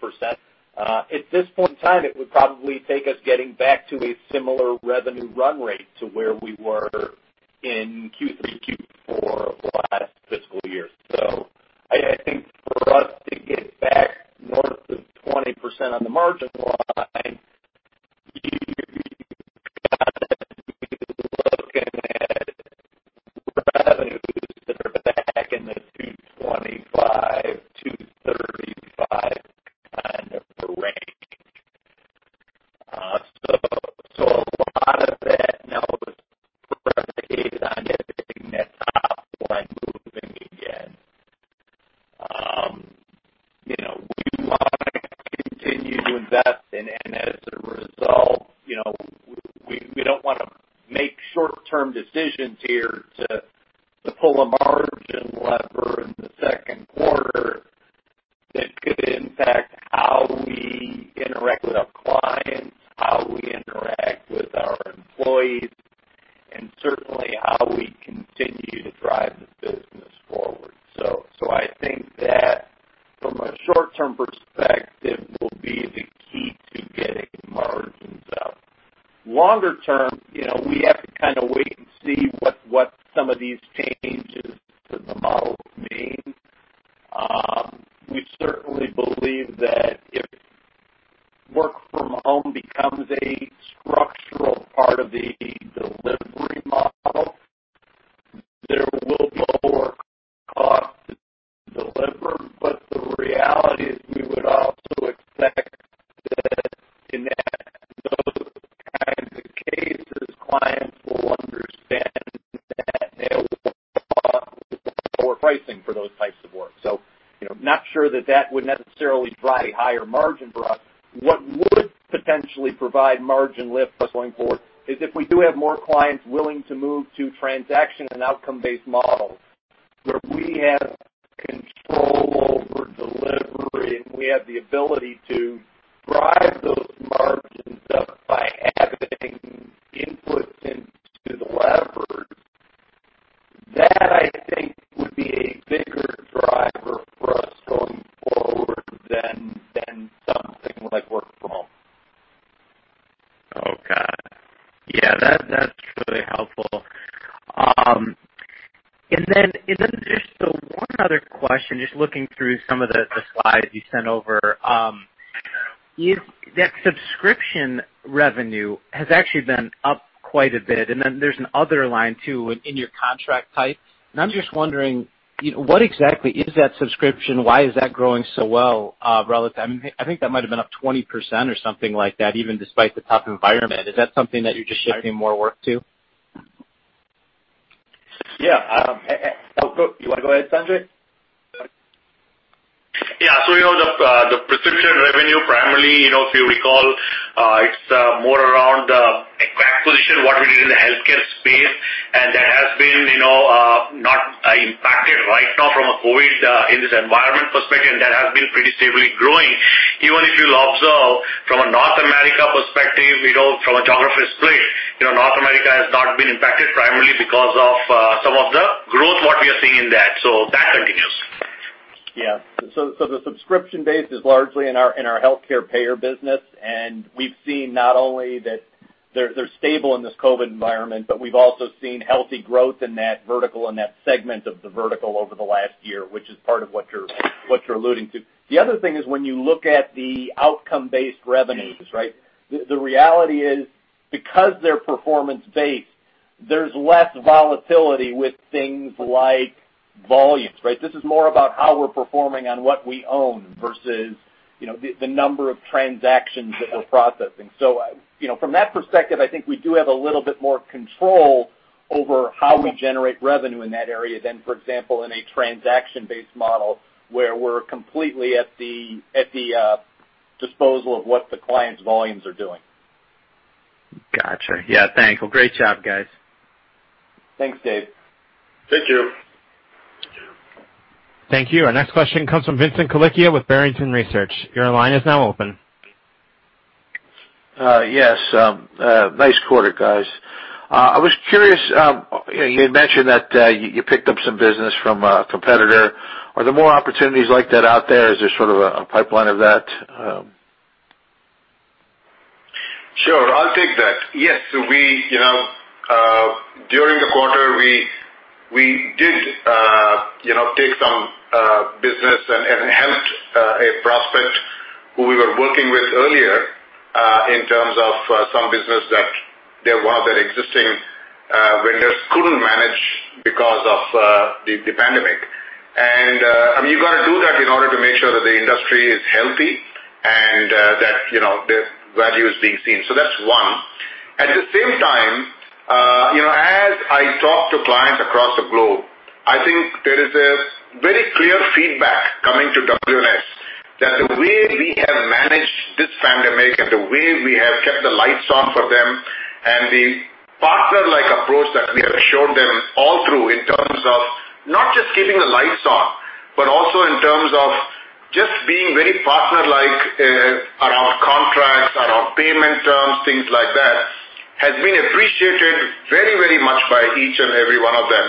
lift going forward is if we do have more clients willing to move to transaction and outcome-based models, where we have control over delivery, and we have the ability to drive those margins up by having input into the levers. That, I think, would be a bigger driver for us going forward than something like work from home. Okay. Yeah, that's really helpful. Just one other question, just looking through some of the slides you sent over. That subscription revenue has actually been up quite a bit, and then there's an other line too, in your contract type. I'm just wondering, what exactly is that subscription? Why is that growing so well? I think that might have been up 20% or something like that, even despite the tough environment. Is that something that you're just shifting more work to? Yeah. You want to go ahead, Sanjay? Yeah. The subscription revenue primarily, if you recall, it's more around acquisition, what we did in the healthcare space. That has been not impacted right now from a COVID, in this environment perspective, and that has been pretty stably growing. Even if you'll observe from a North America perspective, from a geography split, North America has not been impacted primarily because of some of the growth, what we are seeing in that. That continues. The subscription base is largely in our healthcare payer business. We've seen not only that they're stable in this COVID environment, but we've also seen healthy growth in that vertical and that segment of the vertical over the last year, which is part of what you're alluding to. The other thing is when you look at the outcome-based revenues. The reality is because they're performance-based, there's less volatility with things like volumes. This is more about how we're performing on what we own versus the number of transactions that we're processing. From that perspective, I think we do have a little bit more control over how we generate revenue in that area than, for example, in a transaction-based model, where we're completely at the disposal of what the client's volumes are doing. Got you. Yeah, thanks. Well, great job, guys. Thanks, Dave. Thank you. Thank you. Our next question comes from Vincent Colicchio with Barrington Research. Your line is now open. Yes. Nice quarter, guys. I was curious, you had mentioned that you picked up some business from a competitor. Are there more opportunities like that out there? Is there sort of a pipeline of that? Sure. I'll take that. Yes. During the quarter, we did take some business and helped a prospect who we were working with earlier, in terms of some business that one of their existing vendors couldn't manage because of the pandemic. You got to do that in order to make sure that the industry is healthy and that the value is being seen. That's one. At the same time, as I talk to clients across the globe, I think there is a very clear feedback coming to WNS that the way we have managed this pandemic and the way we have kept the lights on for them and the partner-like approach that we have shown them all through, in terms of not just keeping the lights on, but also in terms of just being very partner-like around contracts, around payment terms, things like that, has been appreciated very much by each and every one of them.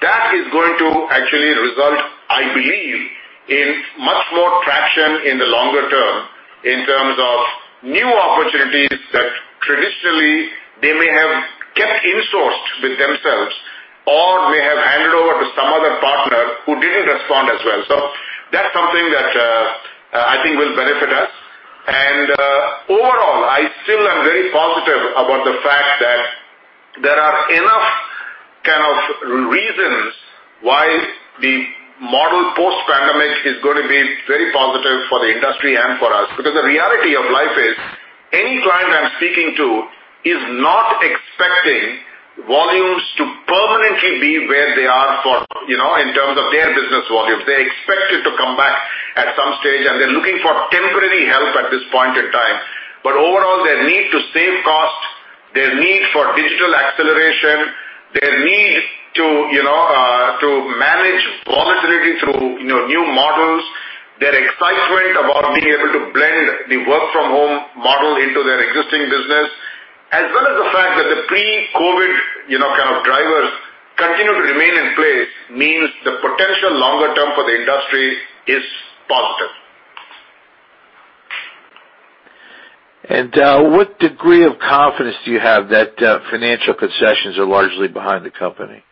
That is going to actually result, I believe, in much more traction in the longer term, in terms of new opportunities that traditionally they may have kept insourced with themselves or may have handed over to some other partner who didn't respond as well. That's something that I think will benefit us. Overall, I still am very positive about the fact that there are enough kind of reasons why the model post-pandemic is going to be very positive for the industry and for us. Because the reality of life is any client I'm speaking to is not expecting volumes to permanently be where they are in terms of their business volumes. They expect it to come back at some stage, and they're looking for temporary help at this point in time. But overall, their need to save costs, their need for digital acceleration, their need to manage volatility through new models, their excitement about being able to blend the work from home model into their existing business, as well as the fact that the pre-COVID kind of drivers continue to remain in place means the potential longer term for the industry is positive. What degree of confidence do you have that financial concessions are largely behind the company?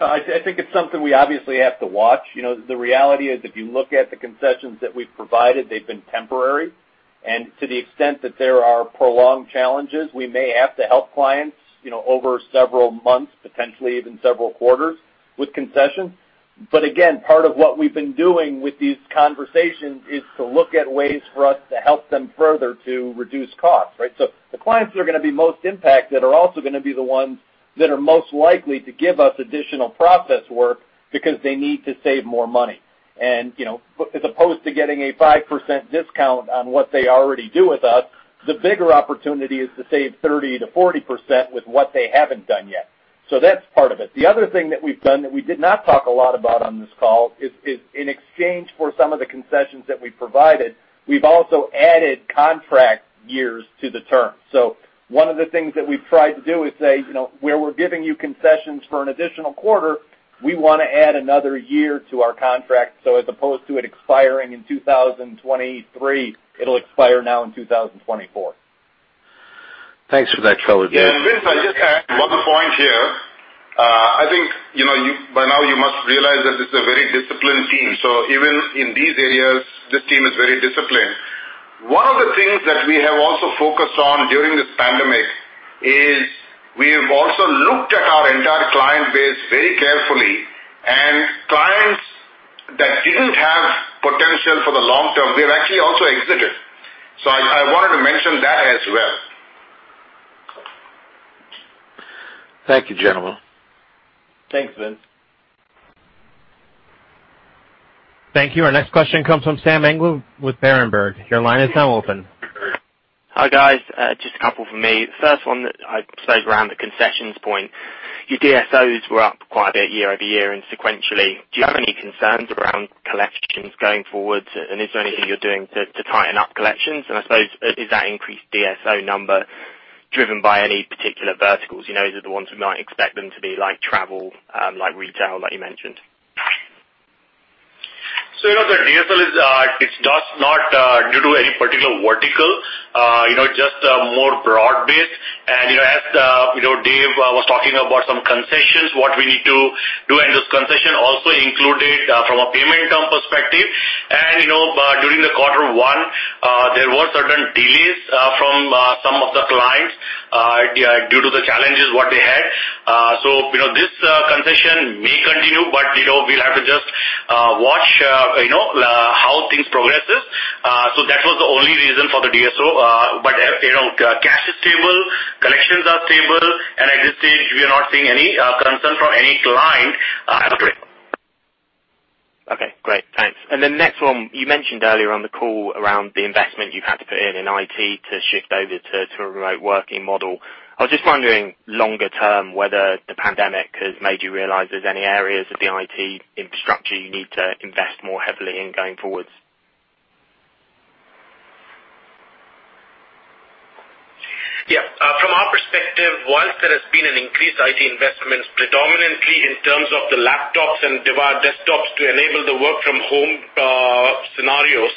I think it's something we obviously have to watch. The reality is, if you look at the concessions that we've provided, they've been temporary. To the extent that there are prolonged challenges, we may have to help clients over several months, potentially even several quarters, with concessions. Again, part of what we've been doing with these conversations is to look at ways for us to help them further to reduce costs, right? The clients that are going to be most impacted are also going to be the ones that are most likely to give us additional process work because they need to save more money. As opposed to getting a 5% discount on what they already do with us, the bigger opportunity is to save 30%-40% with what they haven't done yet. That's part of it. The other thing that we've done that we did not talk a lot about on this call is, in exchange for some of the concessions that we provided, we've also added contract years to the term. One of the things that we've tried to do is say, "Where we're giving you concessions for an additional quarter, we want to add another year to our contract. As opposed to it expiring in 2023, it'll expire now in 2024. Thanks for that color, David. Vincent, if I just add one point here. I think, by now you must realize that this is a very disciplined team. Even in these areas, this team is very disciplined. One of the things that we have also focused on during this pandemic is we have also looked at our entire client base very carefully, and clients that didn't have potential for the long term, we've actually also exited. I wanted to mention that as well. Thank you, gentlemen. Thanks, Vincent. Thank you. Our next question comes from Sam England with Berenberg. Your line is now open. Hi, guys. Just a couple from me. First one, I suppose around the concessions point. Your DSOs were up quite a bit year-over-year and sequentially. Do you have any concerns around collections going forward? Is there anything you're doing to tighten up collections? I suppose, is that increased DSO number driven by any particular verticals? Is it the ones we might expect them to be, like travel, like retail, like you mentioned? Look, the DSO, it's just not due to any particular vertical. It's just more broad-based. As David was talking about some concessions, what we need to do, and those concessions also included from a payment-term perspective. During the quarter one, there were certain delays from some of the clients due to the challenges what they had. This concession may continue, but we'll have to just watch how things progresses. That was the only reason for the DSO. Cash is stable, collections are stable, and at this stage, we are not seeing any concern from any client at this point. Okay. Great. Thanks. The next one, you mentioned earlier on the call around the investment you've had to put in IT to shift over to a remote working model. I was just wondering longer term, whether the pandemic has made you realize there's any areas of the IT infrastructure you need to invest more heavily in going forwards. From our perspective, whilst there has been an increased IT investments predominantly in terms of the laptops and desktops to enable the work from home scenarios,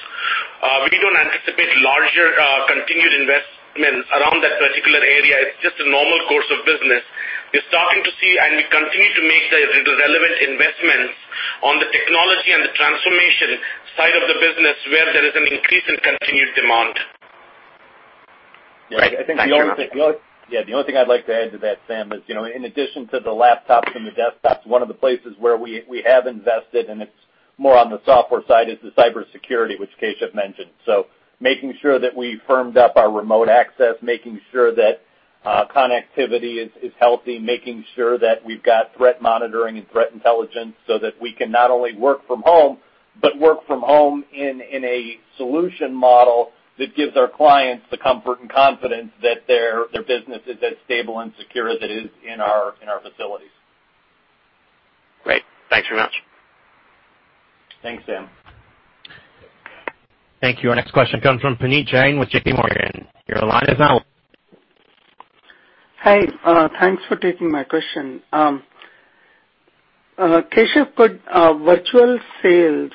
we don't anticipate larger, continued investments around that particular area. It's just a normal course of business. We're starting to see, and we continue to make the relevant investments on the technology and the transformation side of the business where there is an increase in continued demand. Great. Thank you. Yeah, the only thing I'd like to add to that, Sam, is in addition to the laptops and the desktops, one of the places where we have invested, and it's more on the software side, is the cybersecurity, which Keshav mentioned. Making sure that we firmed up our remote access, making sure that connectivity is healthy, making sure that we've got threat monitoring and threat intelligence so that we can not only work from home, but work from home in a solution model that gives our clients the comfort and confidence that their business is as stable and secure as it is in our facilities. Great. Thanks very much. Thanks, Sam. Thank you. Our next question comes from Puneet Jain with JPMorgan. Your line is now open. Hi. Thanks for taking my question. Keshav, could virtual sales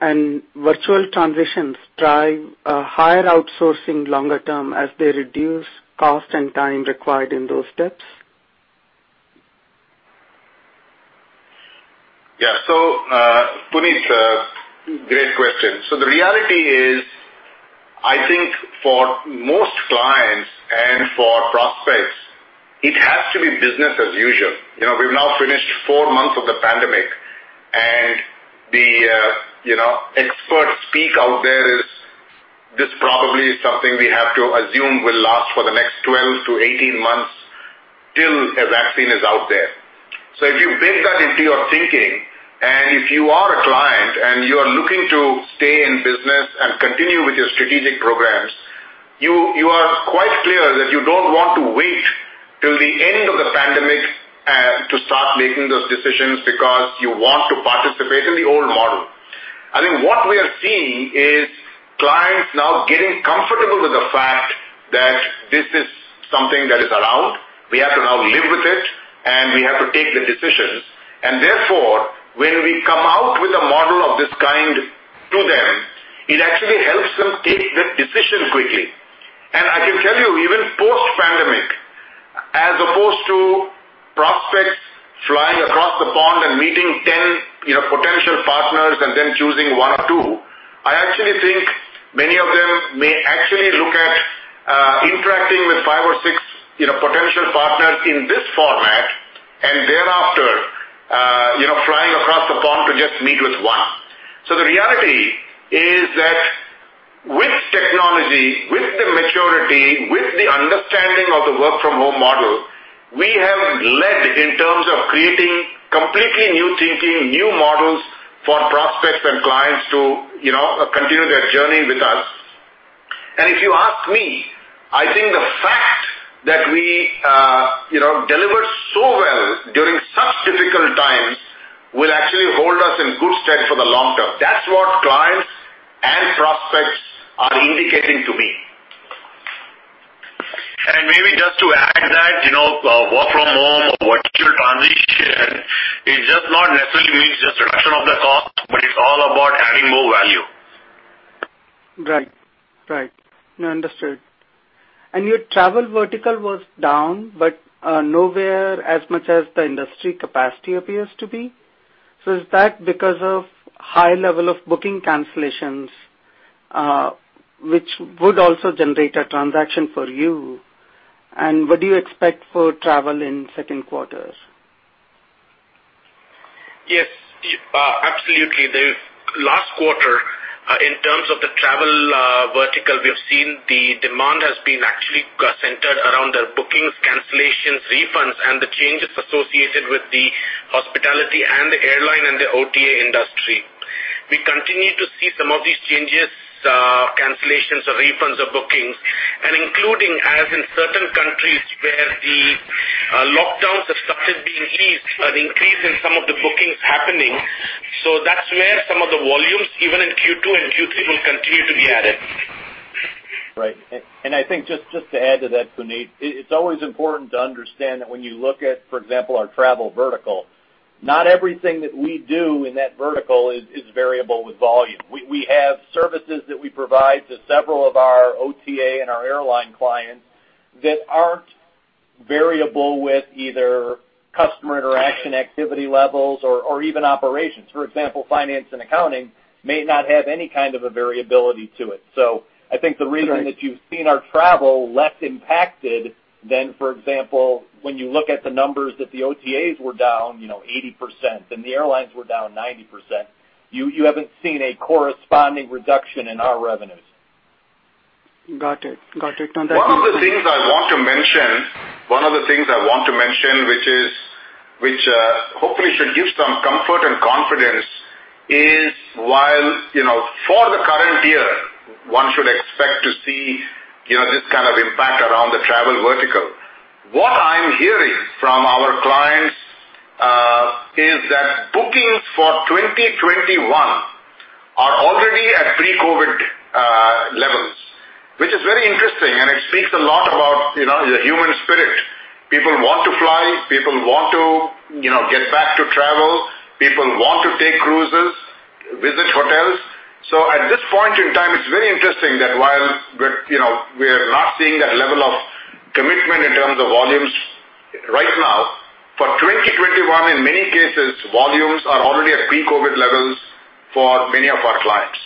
and virtual transitions drive higher outsourcing longer term as they reduce cost and time required in those steps? Yeah. Puneet, great question. The reality is, I think for most clients and for prospects, it has to be business as usual. We've now finished four months of the pandemic, the expert speak out there is, this probably is something we have to assume will last for the next 12-18 months till a vaccine is out there. If you bake that into your thinking, if you are a client and you are looking to stay in business and continue with your strategic programs, you are quite clear that you don't want to wait till the end of the pandemic to start making those decisions because you want to participate in the old model. I think what we are seeing is clients now getting comfortable with the fact that this is something that is around. We have to now live with it, and we have to take the decisions. Therefore, when we come out with a model of this kind to them, it actually helps them take that decision quickly. I can tell you, even post-pandemic, as opposed to prospects flying across the pond and meeting 10 potential partners and then choosing one or two, I actually think many of them may actually look at potential partners in this format, and thereafter, flying across the pond to just meet with one. The reality is that with technology, with the maturity, with the understanding of the work-from-home model, we have led in terms of creating completely new thinking, new models for prospects and clients to continue their journey with us. If you ask me, I think the fact that we delivered so well during such difficult times will actually hold us in good stead for the long term. That's what clients and prospects are indicating to me. Maybe just to add that, work-from-home or virtual transition is just not necessarily means just reduction of the cost, but it's all about adding more value. Right. No, understood. Your travel vertical was down, but nowhere as much as the industry capacity appears to be. Is that because of high level of booking cancellations, which would also generate a transaction for you? What do you expect for travel in second quarters? Yes. Absolutely. The last quarter, in terms of the travel vertical, we have seen the demand has been actually centered around the bookings, cancellations, refunds, and the changes associated with the hospitality and the airline and the OTA industry. We continue to see some of these changes, cancellations or refunds of bookings, and including, as in certain countries where the lockdowns have started being eased, an increase in some of the bookings happening. That's where some of the volumes, even in Q2 and Q3, will continue to be added. Right. I think just to add to that, Puneet, it's always important to understand that when you look at, for example, our travel vertical, not everything that we do in that vertical is variable with volume. We have services that we provide to several of our OTA and our airline clients that aren't variable with either customer interaction activity levels or even operations. For example, finance and accounting may not have any kind of a variability to it. I think the reason that you've seen our travel less impacted than, for example, when you look at the numbers that the OTAs were down 80%, and the airlines were down 90%, you haven't seen a corresponding reduction in our revenues. Got it. No, that makes sense. One of the things I want to mention, which hopefully should give some comfort and confidence, is while for the current year, one should expect to see this kind of impact around the travel vertical. What I'm hearing from our clients is that bookings for 2021 are already at pre-COVID levels, which is very interesting, and it speaks a lot about the human spirit. People want to fly, people want to get back to travel. People want to take cruises, visit hotels. At this point in time, it's very interesting that while we're not seeing that level of commitment in terms of volumes right now. For 2021, in many cases, volumes are already at pre-COVID levels for many of our clients.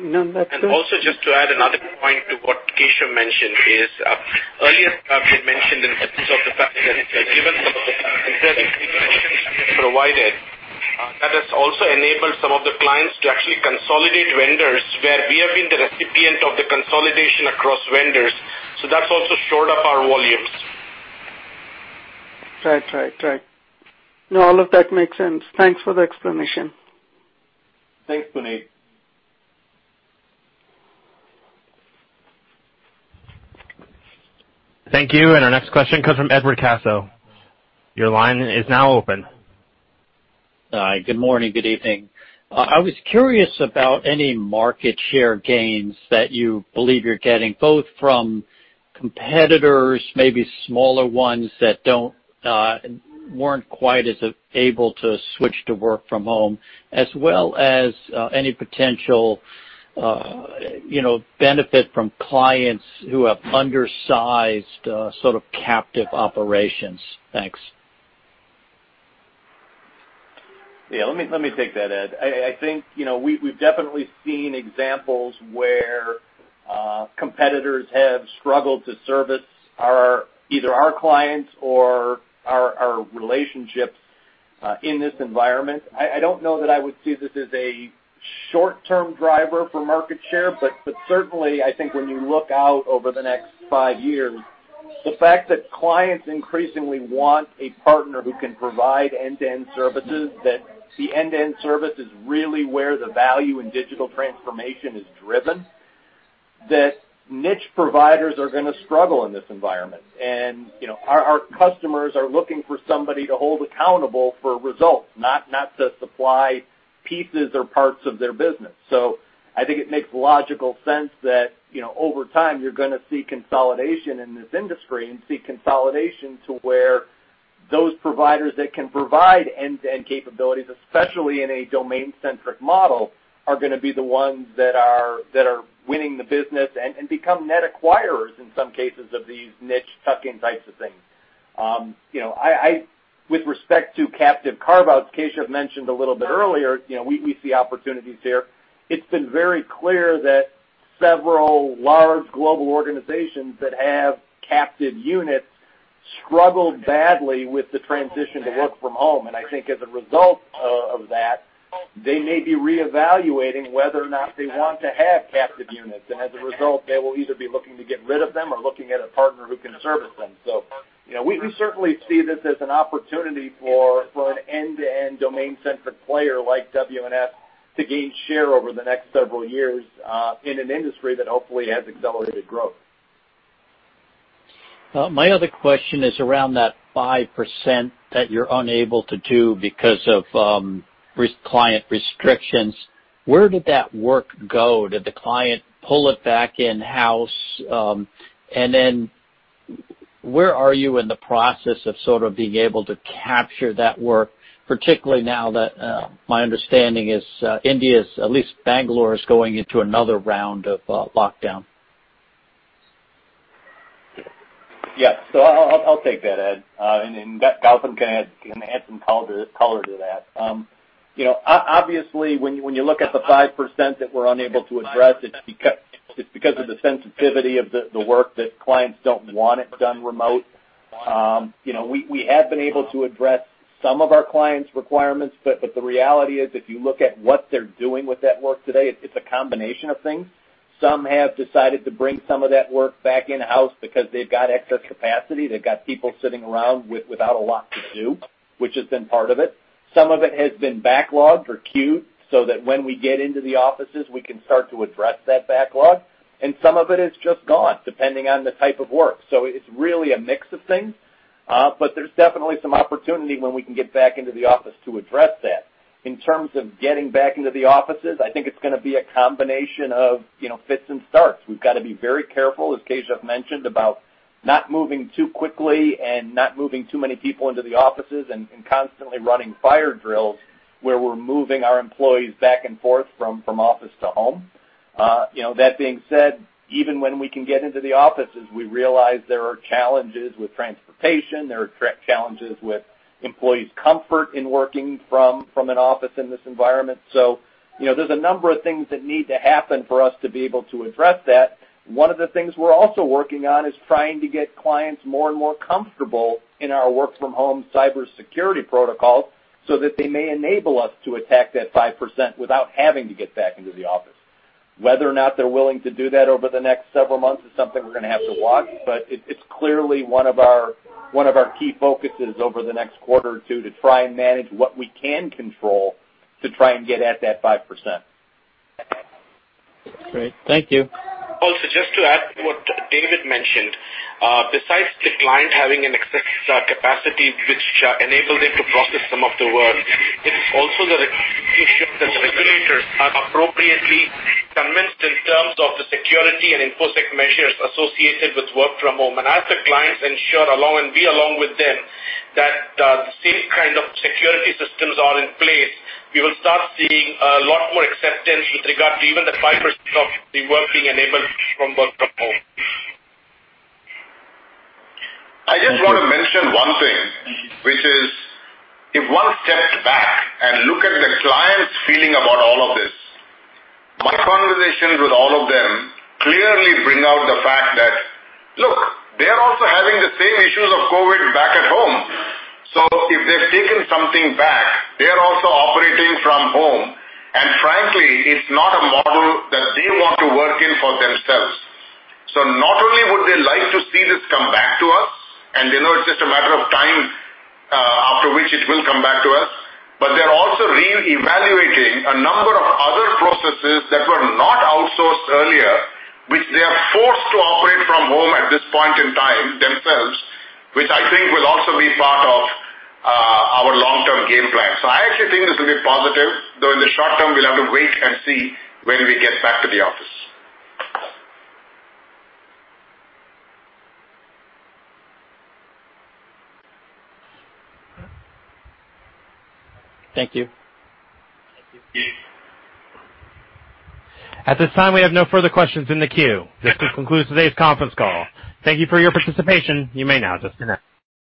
No, that's good. Also just to add another point to what Keshav mentioned is, earlier, we had mentioned in terms of the fact that given some of the integrated solutions that we have provided, that has also enabled some of the clients to actually consolidate vendors, where we have been the recipient of the consolidation across vendors. That's also shored up our volumes. Right. No, all of that makes sense. Thanks for the explanation. Thanks, Puneet. Thank you. Our next question comes from Edward Caso. Your line is now open. Hi. Good morning, good evening. I was curious about any market share gains that you believe you're getting, both from competitors, maybe smaller ones that weren't quite as able to switch to work from home, as well as any potential benefit from clients who have undersized sort of captive operations. Thanks. Yeah, let me take that, Ed. I think we've definitely seen examples where competitors have struggled to service either our clients or our relationships in this environment. I don't know that I would see this as a short-term driver for market share. Certainly, I think when you look out over the next five years, the fact that clients increasingly want a partner who can provide end-to-end services, that the end-to-end service is really where the value in digital transformation is driven, that niche providers are gonna struggle in this environment. Our customers are looking for somebody to hold accountable for results, not to supply pieces or parts of their business. I think it makes logical sense that over time, you're going to see consolidation in this industry and see consolidation to where those providers that can provide end-to-end capabilities, especially in a domain-centric model, are going to be the ones that are winning the business and become net acquirers in some cases of these niche tuck-in types of things. With respect to captive carve-outs, Keshav mentioned a little bit earlier, we see opportunities here. It's been very clear that several large global organizations that have captive units struggled badly with the transition to work from home. I think as a result of that, they may be reevaluating whether or not they want to have captive units. As a result, they will either be looking to get rid of them or looking at a partner who can service them. We certainly see this as an opportunity for an end-to-end domain-centric player like WNS to gain share over the next several years in an industry that hopefully has accelerated growth. My other question is around that 5% that you're unable to do because of risk client restrictions. Where did that work go? Did the client pull it back in-house? Then where are you in the process of sort of being able to capture that work, particularly now that my understanding is India's, at least Bangalore, is going into another round of lockdown? Yeah. I'll take that, Ed. Gautam can add some color to that. Obviously, when you look at the 5% that we're unable to address, it's because of the sensitivity of the work that clients don't want it done remote. We have been able to address some of our clients' requirements, but the reality is, if you look at what they're doing with that work today, it's a combination of things. Some have decided to bring some of that work back in-house because they've got excess capacity. They've got people sitting around without a lot to do, which has been part of it. Some of it has been backlogged or queued so that when we get into the offices, we can start to address that backlog. Some of it is just gone, depending on the type of work. It's really a mix of things. There's definitely some opportunity when we can get back into the office to address that. In terms of getting back into the offices, I think it's going to be a combination of fits and starts. We've got to be very careful, as Keshav mentioned, about not moving too quickly and not moving too many people into the offices and constantly running fire drills where we're moving our employees back and forth from office to home. That being said, even when we can get into the offices, we realize there are challenges with transportation, there are challenges with employees' comfort in working from an office in this environment. There's a number of things that need to happen for us to be able to address that. One of the things we're also working on is trying to get clients more and more comfortable in our work from home cybersecurity protocols so that they may enable us to attack that 5% without having to get back into the office. Whether or not they're willing to do that over the next several months is something we're going to have to watch. It's clearly one of our key focuses over the next quarter or two to try and manage what we can control to try and get at that 5%. Great. Thank you. Just to add to what David mentioned. Besides the client having an excess capacity which enabled them to process some of the work, it is also that the regulators are appropriately convinced in terms of the security and infosec measures associated with work from home. As the clients ensure along, and we along with them, that the same kind of security systems are in place, we will start seeing a lot more acceptance with regard to even the 5% of the work being enabled from work from home. I just want to mention one thing, which is, if one steps back and look at the client's feeling about all of this, my conversations with all of them clearly bring out the fact that, look, they are also having the same issues of COVID-19 back at home. If they've taken something back, they are also operating from home. Frankly, it's not a model that they want to work in for themselves. Not only would they like to see this come back to us, and they know it's just a matter of time after which it will come back to us, but they're also reevaluating a number of other processes that were not outsourced earlier, which they are forced to operate from home at this point in time themselves, which I think will also be part of our long-term game plan. I actually think this will be positive, though in the short term, we'll have to wait and see when we get back to the office. Thank you. Thank you. At this time, we have no further questions in the queue. This concludes today's conference call. Thank you for your participation. You may now disconnect.